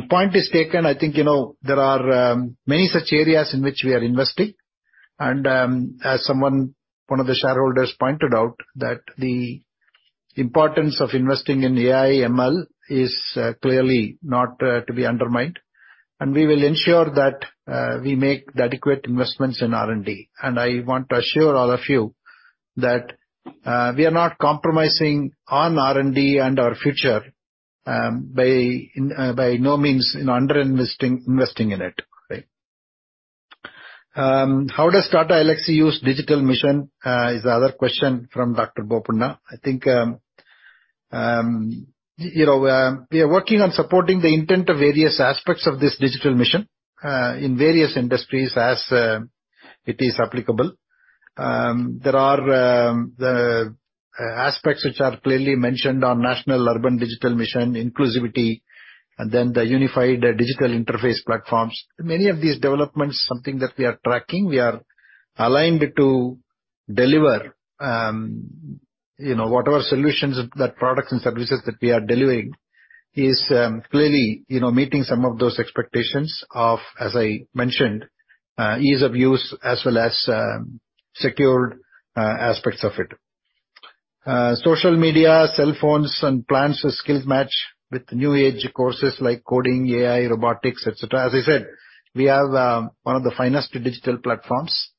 Point is taken. I think, you know, there are many such areas in which we are investing, and as someone, one of the shareholders pointed out, that. importance of investing in AI, ML is clearly not to be undermined, and we will ensure that we make the adequate investments in R&D. I want to assure all of you that we are not compromising on R&D and our future by no means in under investing in it. Right? How does Tata Elxsi use digital mission is the other question from Dr. Boppanna. I think, you know, we are working on supporting the intent of various aspects of this digital mission in various industries as it is applicable. There are the aspects which are clearly mentioned on National Urban Digital Mission, inclusivity, and then the unified digital interface platforms. Many of these developments, something that we are tracking, we are aligned to deliver, you know, whatever solutions that products and services that we are delivering is, clearly, you know, meeting some of those expectations of, as I mentioned, ease of use as well as, secured, aspects of it. Social media, cell phones, and plans skills match with new age courses like coding, AI, robotics, et cetera. As I said, we have one of the finest digital platforms.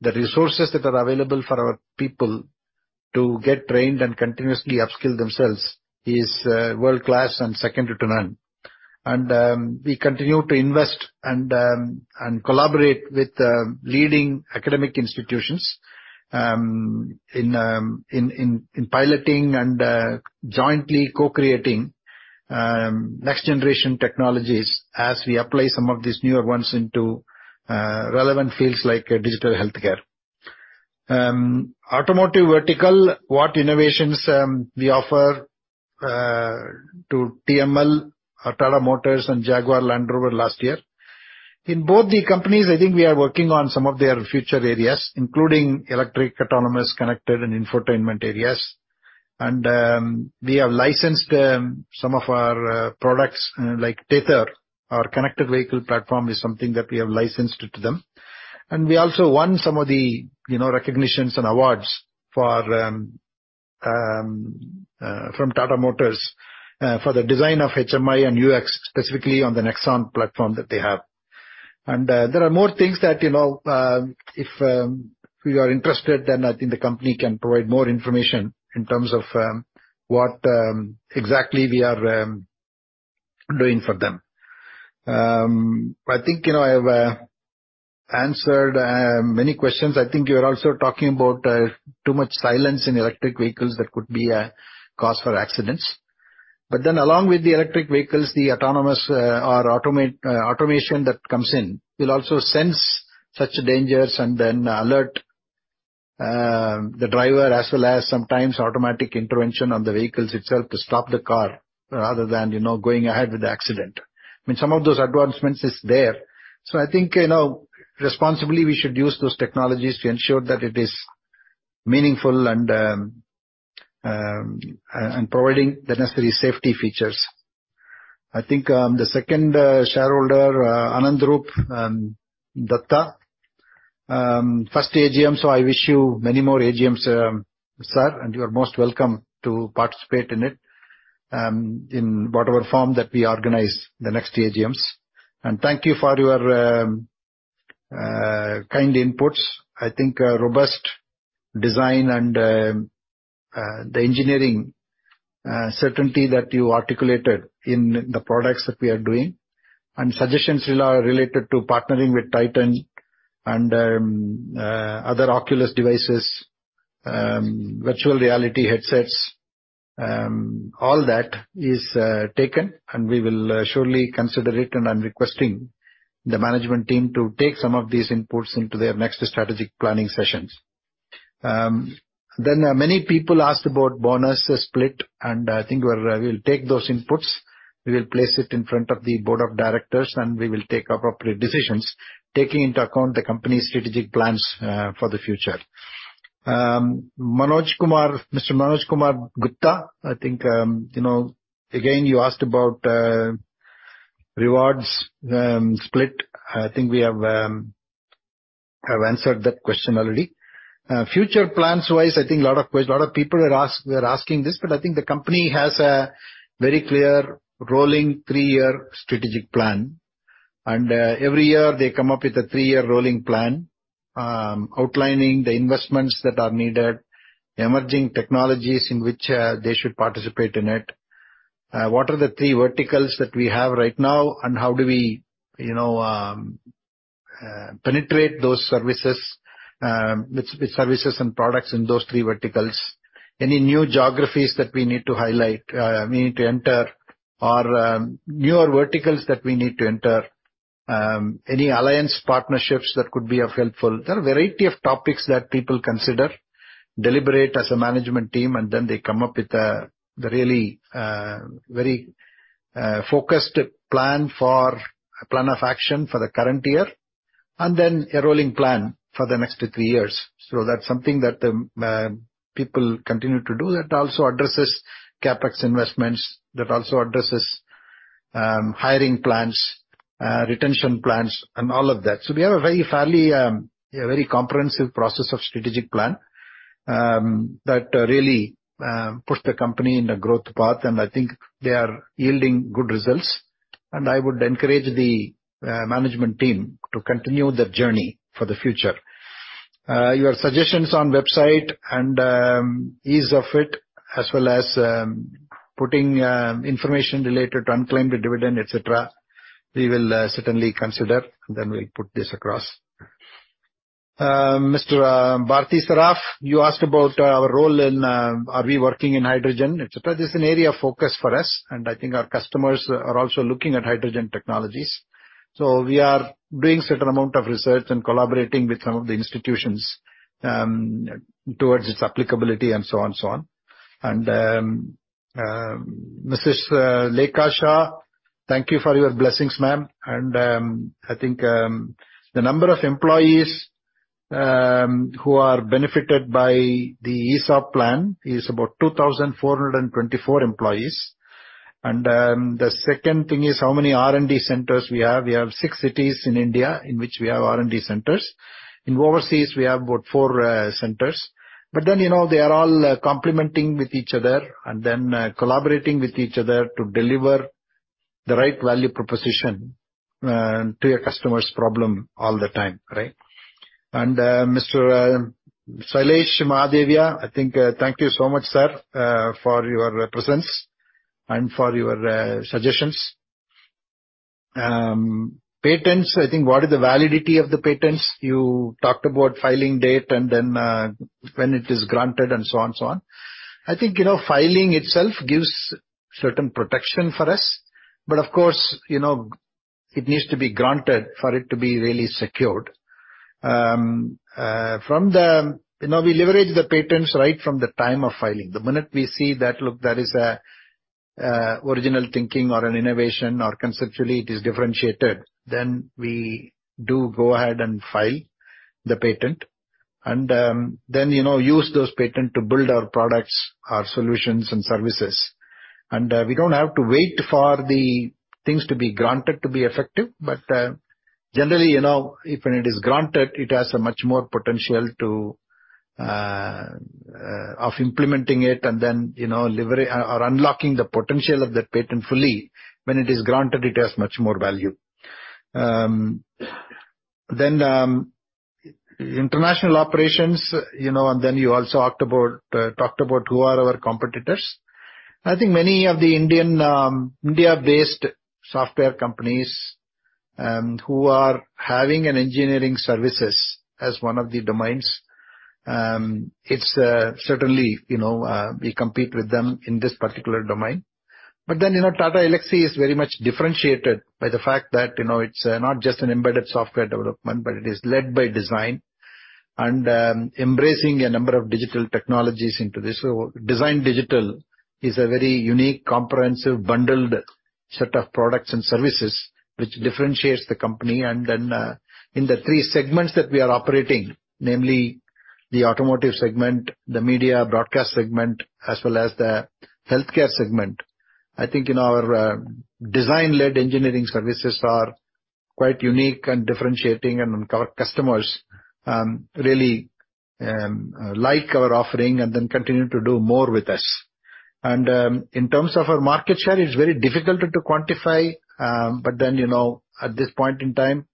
The resources that are available for our people to get trained and continuously upskill themselves is, world-class and second to none. We continue to invest and collaborate with leading academic institutions in piloting and jointly co-creating next generation technologies as we apply some of these newer ones into relevant fields like digital healthcare. Automotive vertical, what innovations we offer to TML or Tata Motors and Jaguar Land Rover last year? In both the companies, I think we are working on some of their future areas, including electric, autonomous, connected and infotainment areas. We have licensed some of our products like TETHER. Our connected vehicle platform is something that we have licensed to them. We also won some of the, you know, recognitions and awards for from Tata Motors for the design of HMI and UX, specifically on the Nexon platform that they have. There are more things that, you know, if you are interested, then I think the company can provide more information in terms of what exactly we are doing for them. I think, you know, I have answered many questions. I think you're also talking about too much silence in electric vehicles that could be a cause for accidents. Along with the electric vehicles, the autonomous or automation that comes in will also sense such dangers and then alert the driver, as well as sometimes automatic intervention on the vehicles itself to stop the car rather than, you know, going ahead with the accident. I mean, some of those advancements is there. I think, you know, responsibly, we should use those technologies to ensure that it is meaningful and providing the necessary safety features. I think the second shareholder, Anandaroop Dutta, first AGM, so I wish you many more AGMs, sir, and you are most welcome to participate in it in whatever form that we organize the next AGMs. Thank you for your kind inputs. I think a robust design and the engineering certainty that you articulated in the products that we are doing, and suggestions related to partnering with Titan and other Oculus devices, virtual reality headsets, all that is taken, and we will surely consider it, and I'm requesting the management team to take some of these inputs into their next strategic planning sessions. Many people asked about bonus split, and I think we'll take those inputs. We will place it in front of the board of directors, and we will take appropriate decisions, taking into account the company's strategic plans for the future. Mr. Manoj Kumar Gupta, again, you asked about rewards split. We have answered that question already. Future plans-wise, a lot of people were asking this. The company has a very clear rolling three-year strategic plan. Every year they come up with a three-year rolling plan, outlining the investments that are needed, emerging technologies in which they should participate in it. What are the three verticals that we have right now, and how do we, you know, penetrate those services and products in those three verticals? Any new geographies that we need to highlight, we need to enter, or newer verticals that we need to enter, any alliance partnerships that could be of helpful. There are a variety of topics that people consider, deliberate as a management team, and then they come up with a really, very focused plan for a plan of action for the current year, and then a rolling plan for the next three years. That's something that people continue to do. That also addresses CapEx investments, that also addresses hiring plans, retention plans, and all of that. We have a very fairly, a very comprehensive process of strategic plan, that really pushed the company in a growth path, and I think they are yielding good results. I would encourage the management team to continue the journey for the future. Your suggestions on website and ease of it, as well as putting information related to unclaimed dividend, et cetera, we will certainly consider, then we'll put this across. Mrs. Bharati Saraf, you asked about our role in... Are we working in hydrogen, et cetera? This is an area of focus for us, and I think our customers are also looking at hydrogen technologies. We are doing certain amount of research and collaborating with some of the institutions towards its applicability, and so on and so on. Mrs. Lekha Shah, thank you for your blessings, ma'am. I think the number of employees who are benefited by the ESOP plan is about 2,424 employees. The second thing is how many R&D centers we have. We have six cities in India, in which we have R&D centers. In overseas, we have about four centers. You know, they are all complementing with each other, collaborating with each other to deliver the right value proposition to a customer's problem all the time, right? Mr. Shailesh Mahadevia, I think, thank you so much, sir, for your presence and for your suggestions. Patents, I think what is the validity of the patents? You talked about filing date, when it is granted, and so on and so on. I think, you know, filing itself gives certain protection for us, but of course, you know, it needs to be granted for it to be really secured. You know, we leverage the patents right from the time of filing. The minute we see that, look, there is a original thinking or an innovation or conceptually it is differentiated, then we do go ahead and file the patent, then, you know, use those patent to build our products, our solutions and services. We don't have to wait for the things to be granted to be effective, but generally, you know, if when it is granted, it has a much more potential to of implementing it and then, you know, unlocking the potential of that patent fully. When it is granted, it has much more value. International operations, you know, and then you also talked about who are our competitors. I think many of the Indian, India-based software companies, who are having an engineering services as one of the domains, it's certainly, you know, we compete with them in this particular domain. You know, Tata Elxsi is very much differentiated by the fact that, you know, it's not just an embedded software development, but it is led by design and embracing a number of digital technologies into this. Design digital is a very unique, comprehensive, bundled set of products and services which differentiates the company. In the three segments that we are operating, namely the automotive segment, the media broadcast segment, as well as the healthcare segment, I think, you know, our design-led engineering services are quite unique and differentiating, and our customers really like our offering and then continue to do more with us. In terms of our market share, it's very difficult to quantify, you know, at this point in time,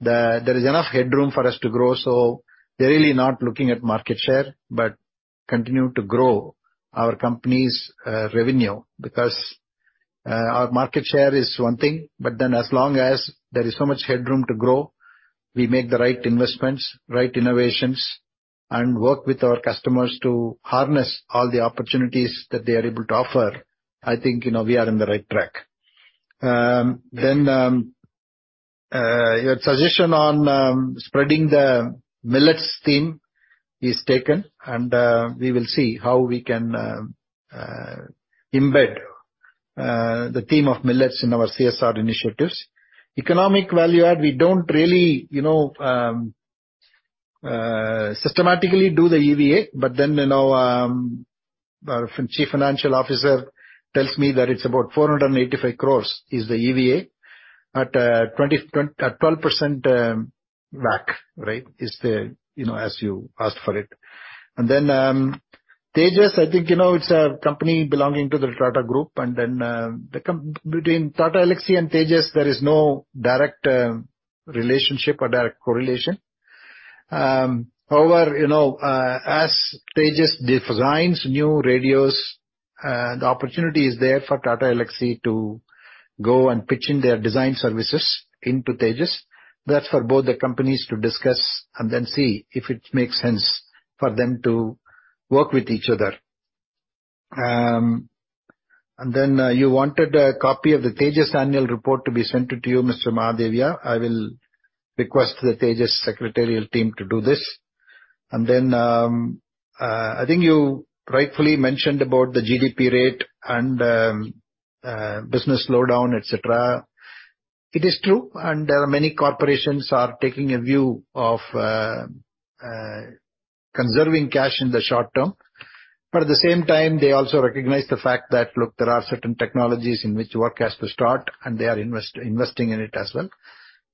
there is enough headroom for us to grow, so we're really not looking at market share, but continue to grow our company's revenue. Our market share is one thing, as long as there is so much headroom to grow, we make the right investments, right innovations, and work with our customers to harness all the opportunities that they are able to offer, I think, you know, we are on the right track. Your suggestion on spreading the millets theme is taken, we will see how we can embed the theme of millets in our CSR initiatives. Economic value add, we don't really systematically do the EVA, our Chief Financial Officer tells me that it's about 485 crores is the EVA at 12% WACC, right? You know, as you asked for it. Tejas Networks, I think, you know, it's a company belonging to the Tata Group, between Tata Elxsi Limited and Tejas Networks, there is no direct relationship or direct correlation. However, you know, as Tejas Networks designs new radios, the opportunity is there for Tata Elxsi Limited to go and pitch in their design services into Tejas Networks. That's for both the companies to discuss and then see if it makes sense for them to work with each other. You wanted a copy of the Tejas Networks annual report to be sent to you, Mr. Shailesh Mahadevia. I will request the Tejas Networks secretarial team to do this. I think you rightfully mentioned about the GDP rate and business slowdown, et cetera. It is true. There are many corporations are taking a view of conserving cash in the short term. At the same time, they also recognize the fact that, look, there are certain technologies in which work has to start, and they are investing in it as well.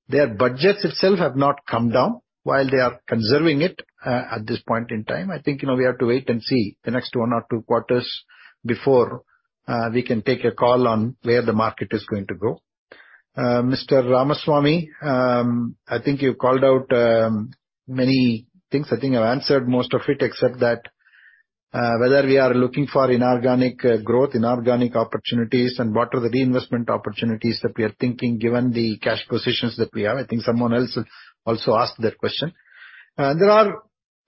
Their budgets itself have not come down while they are conserving it at this point in time. I think, you know, we have to wait and see the next 1 or 2 quarters before we can take a call on where the market is going to go. Mr. Ramaswamy, I think you called out many things. I think I've answered most of it, except that whether we are looking for inorganic growth, inorganic opportunities, and what are the reinvestment opportunities that we are thinking, given the cash positions that we have. I think someone else also asked that question.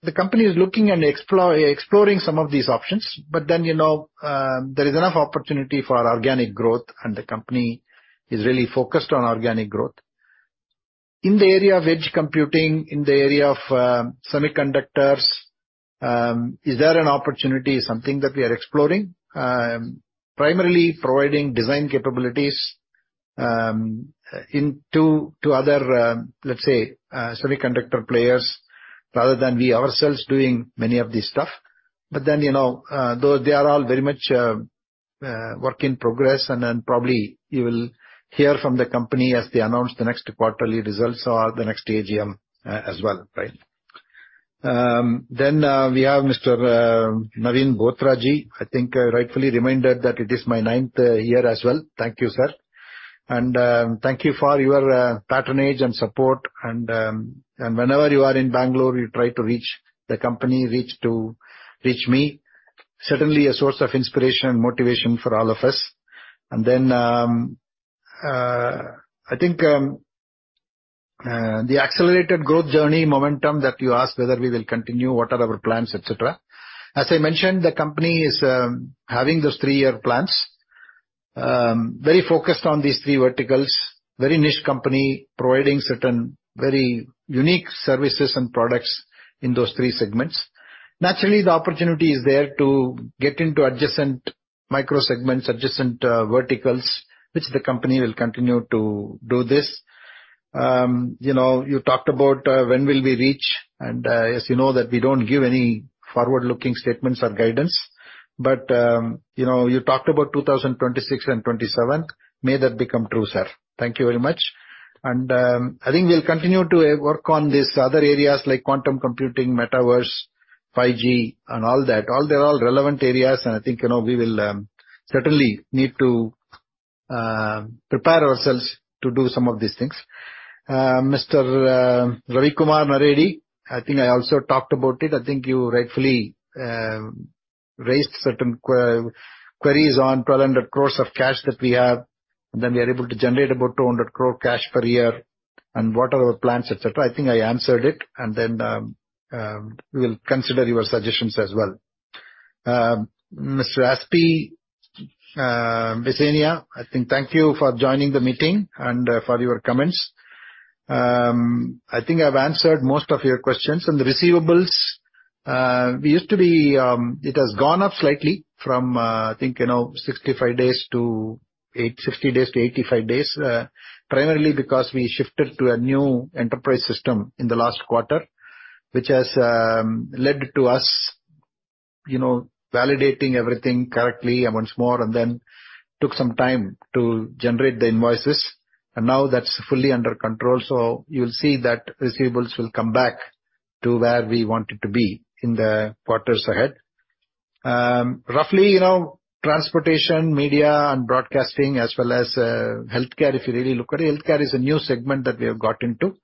The company is looking and exploring some of these options, but then, you know, there is enough opportunity for organic growth, and the company is really focused on organic growth. In the area of edge computing, in the area of semiconductors, is there an opportunity? Something that we are exploring. Primarily providing design capabilities, into to other, let's say, semiconductor players, rather than we ourselves doing many of this stuff. You know, though they are all very much work in progress, and then probably you will hear from the company as they announce the next quarterly results or the next AGM, as well, right? Then, we have Mr. Naveen Bothraji. I think I rightfully reminded that it is my ninth year as well. Thank you, sir. Thank you for your patronage and support, and whenever you are in Bangalore, you try to reach the company, reach me. Certainly, a source of inspiration and motivation for all of us. I think the accelerated growth journey momentum that you asked whether we will continue, what are our plans, et cetera. As I mentioned, the company is having those three-year plans, very focused on these three verticals, very niche company, providing certain very unique services and products in those three segments. Naturally, the opportunity is there to get into adjacent micro segments, adjacent verticals, which the company will continue to do this. You know, you talked about, when will we reach? As you know, that we don't give any forward-looking statements or guidance, but, you know, you talked about 2026 and 2027. May that become true, sir. Thank you very much. I think we'll continue to work on these other areas like quantum computing, metaverse, 5G, and all that. They're all relevant areas, and I think, you know, we will certainly need to prepare ourselves to do some of these things. Mr. Ravi Kumar Naredi, I think I also talked about it. I think you rightfully raised certain queries on 1,200 crores of cash that we have, then we are able to generate about 200 crore cash per year, and what are our plans, et cetera. I think I answered it, and then, we will consider your suggestions as well. Mr. Aspi Besenia, thank you for joining the meeting and for your comments. I've answered most of your questions. The receivables, we used to be. It has gone up slightly from 65 days to 60 days to 85 days, primarily because we shifted to a new enterprise system in the last quarter, which has led to us, you know, validating everything correctly once more, and then took some time to generate the invoices, and now that's fully under control. You'll see that receivables will come back to where we want it to be in the quarters ahead. Roughly, you know, transportation, media, and broadcasting, as well as healthcare, if you really look at it. Healthcare is a new segment that we have got into.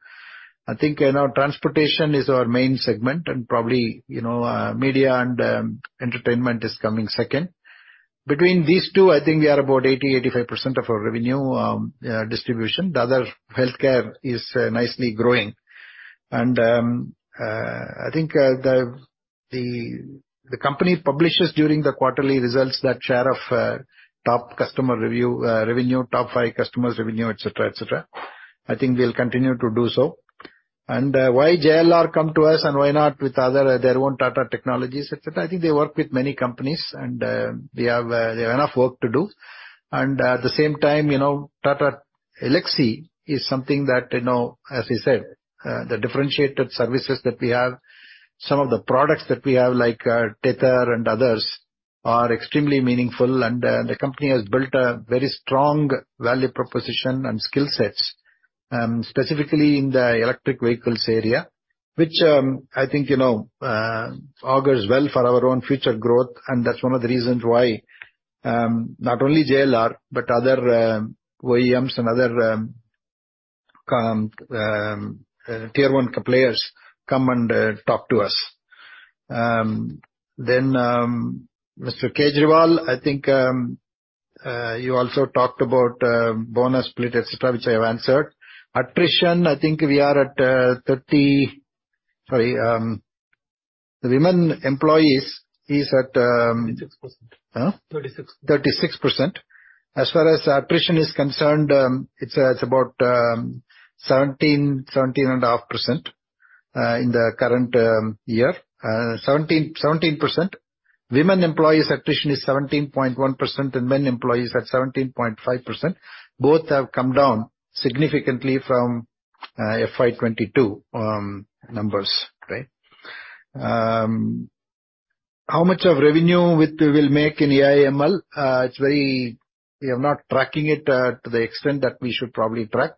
I think, you know, transportation is our main segment, and probably, you know, media and entertainment is coming second. Between these two, I think we are about 80%-85% of our revenue distribution. The other, healthcare, is nicely growing. I think the company publishes during the quarterly results that share of top customer review, revenue, top 5 customers' revenue, et cetera, et cetera. I think we'll continue to do so. Why JLR come to us and why not with other, their own Tata Technologies, et cetera? I think they work with many companies, and we have, they have enough work to do. At the same time, you know, Tata Elxsi is something that, you know, as I said, the differentiated services that we have, some of the products that we have, like Tether and others, are extremely meaningful. The company has built a very strong value proposition and skill sets, specifically in the electric vehicles area, which I think, you know, augurs well for our own future growth, and that's one of the reasons why not only JLR, but other OEMs and other tier one players come and talk to us. Mr. Kejriwal, I think, you also talked about bonus split, et cetera, which I have answered. Attrition, I think we are at 30. Sorry, the women employees is at. 36%. Huh? Thirty-six. 36%. As far as attrition is concerned, it's about 17.5% in the current year, 17%. Women employees attrition is 17.1%, and men employees at 17.5%. Both have come down significantly from FY 2022 numbers, right? How much of revenue which we will make in AI/ML? We are not tracking it to the extent that we should probably track.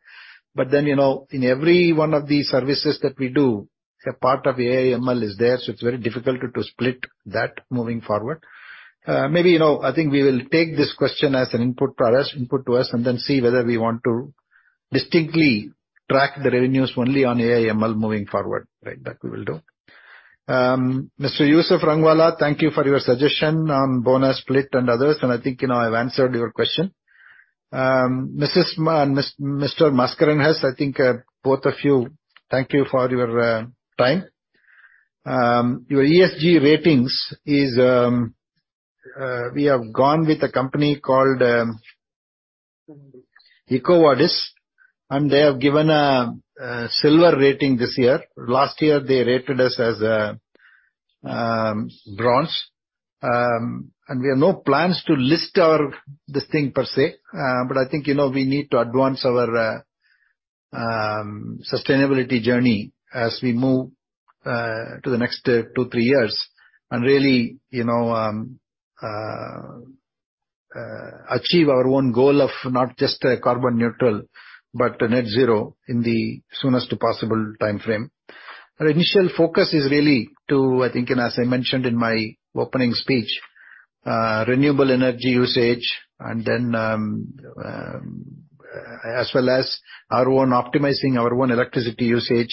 You know, in every one of the services that we do, a part of AI/ML is there, so it's very difficult to split that moving forward. Maybe, you know, I think we will take this question as an input for us, input to us, then see whether we want to distinctly track the revenues only on AI/ML moving forward, right? That we will do. Mr. Yusuf Rangwala, thank you for your suggestion on bonus split and others, I think, you know, I've answered your question. Mrs. Ma and Mr. Mascarenhas, I think, both of you, thank you for your time. Your ESG ratings is, we have gone with a company called EcoVadis, and they have given a silver rating this year. Last year, they rated us as a bronze. We have no plans to list our listing per se, but I think, you know, we need to advance our sustainability journey as we move to the next 2, 3 years, and really, you know, achieve our own goal of not just a carbon neutral, but net zero in the soonest possible timeframe. Our initial focus is really to, I think, and as I mentioned in my opening speech, renewable energy usage. Then, as well as our own optimizing our own electricity usage,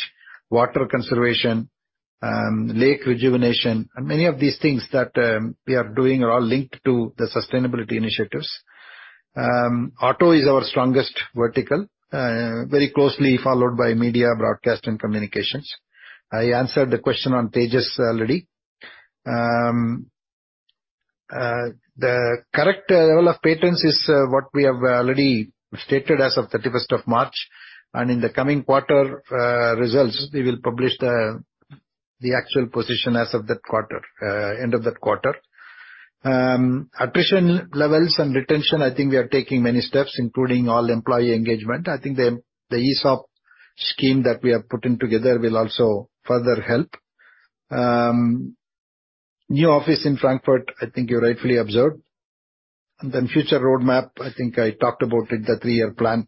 water conservation, lake rejuvenation. Many of these things that we are doing are all linked to the sustainability initiatives. Auto is our strongest vertical, very closely followed by media, broadcast, and communications. I answered the question on Tejas already. The correct level of patents is what we have already stated as of 31st of March, and in the coming quarter, results, we will publish the actual position as of that quarter, end of that quarter. Attrition levels and retention, I think we are taking many steps, including all employee engagement. I think the ESOP scheme that we are putting together will also further help. New office in Frankfurt, I think you rightfully observed. Future roadmap, I think I talked about it, the three-year plan.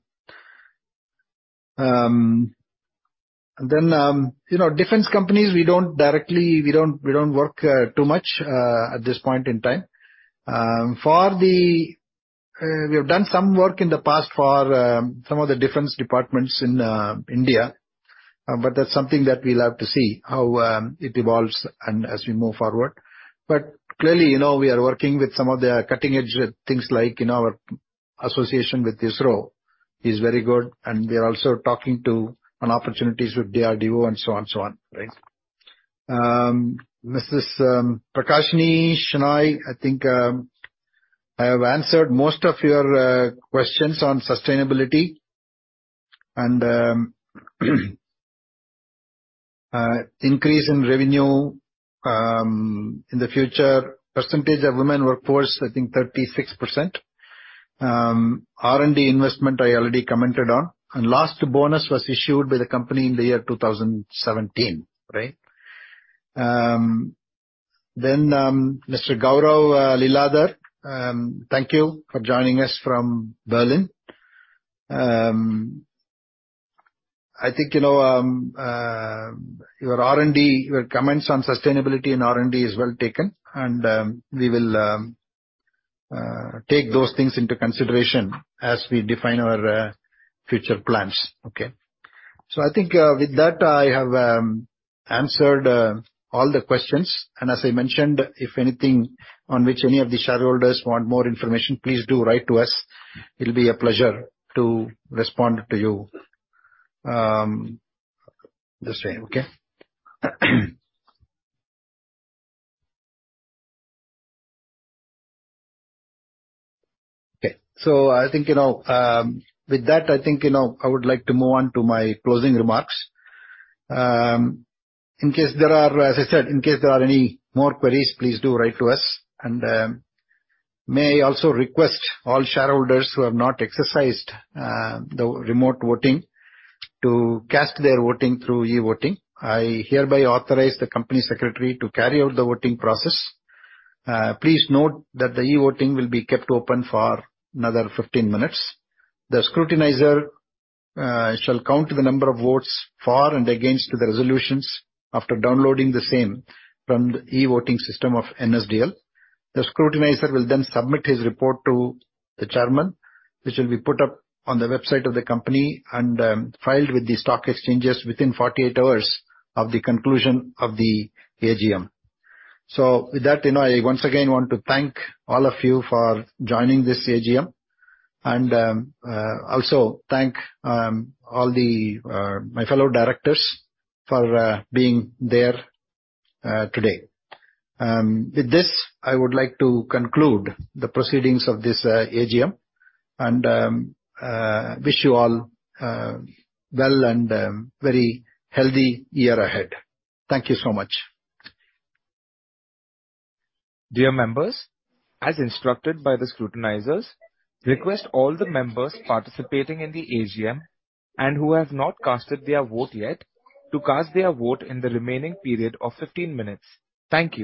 You know, defense companies, we don't directly, we don't work too much at this point in time. For the. We have done some work in the past for some of the defense departments in India, that's something that we'll have to see how it evolves and as we move forward. Clearly, you know, we are working with some of the cutting-edge things like, you know, our association with ISRO is very good, and we are also talking to on opportunities with DRDO and so on and so on, right? Mrs. Prakashini Shanoy, I think I have answered most of your questions on sustainability, and increase in revenue in the future. Percentage of women workforce, I think 36%. R&D investment, I already commented on. Last bonus was issued by the company in the year 2017, right? Mr. Gaurav Leeladhar, thank you for joining us from Berlin. I think, you know, your R&D, your comments on sustainability and R&D is well taken, and we will take those things into consideration as we define our future plans. Okay. I think, with that, I have answered all the questions. As I mentioned, if anything on which any of the shareholders want more information, please do write to us. It'll be a pleasure to respond to you the same. Okay? Okay. I think, you know, with that, I think, you know, I would like to move on to my closing remarks. In case there are, as I said, in case there are any more queries, please do write to us. May I also request all shareholders who have not exercised the remote voting to cast their voting through e-voting. I hereby authorize the Company Secretary to carry out the voting process. Please note that the e-voting will be kept open for another 15 minutes. The scrutinizer shall count the number of votes for and against the resolutions after downloading the same from the e-voting system of NSDL. The scrutinizer will then submit his report to the Chairman, which will be put up on the website of the company and filed with the stock exchanges within 48 hours of the conclusion of the AGM. With that, you know, I once again want to thank all of you for joining this AGM, and also thank all the my fellow directors for being there today. With this, I would like to conclude the proceedings of this AGM and wish you all well, and very healthy year ahead. Thank you so much. Dear members, as instructed by the scrutinizers, request all the members participating in the AGM and who have not casted their vote yet, to cast their vote in the remaining period of 15 minutes. Thank you.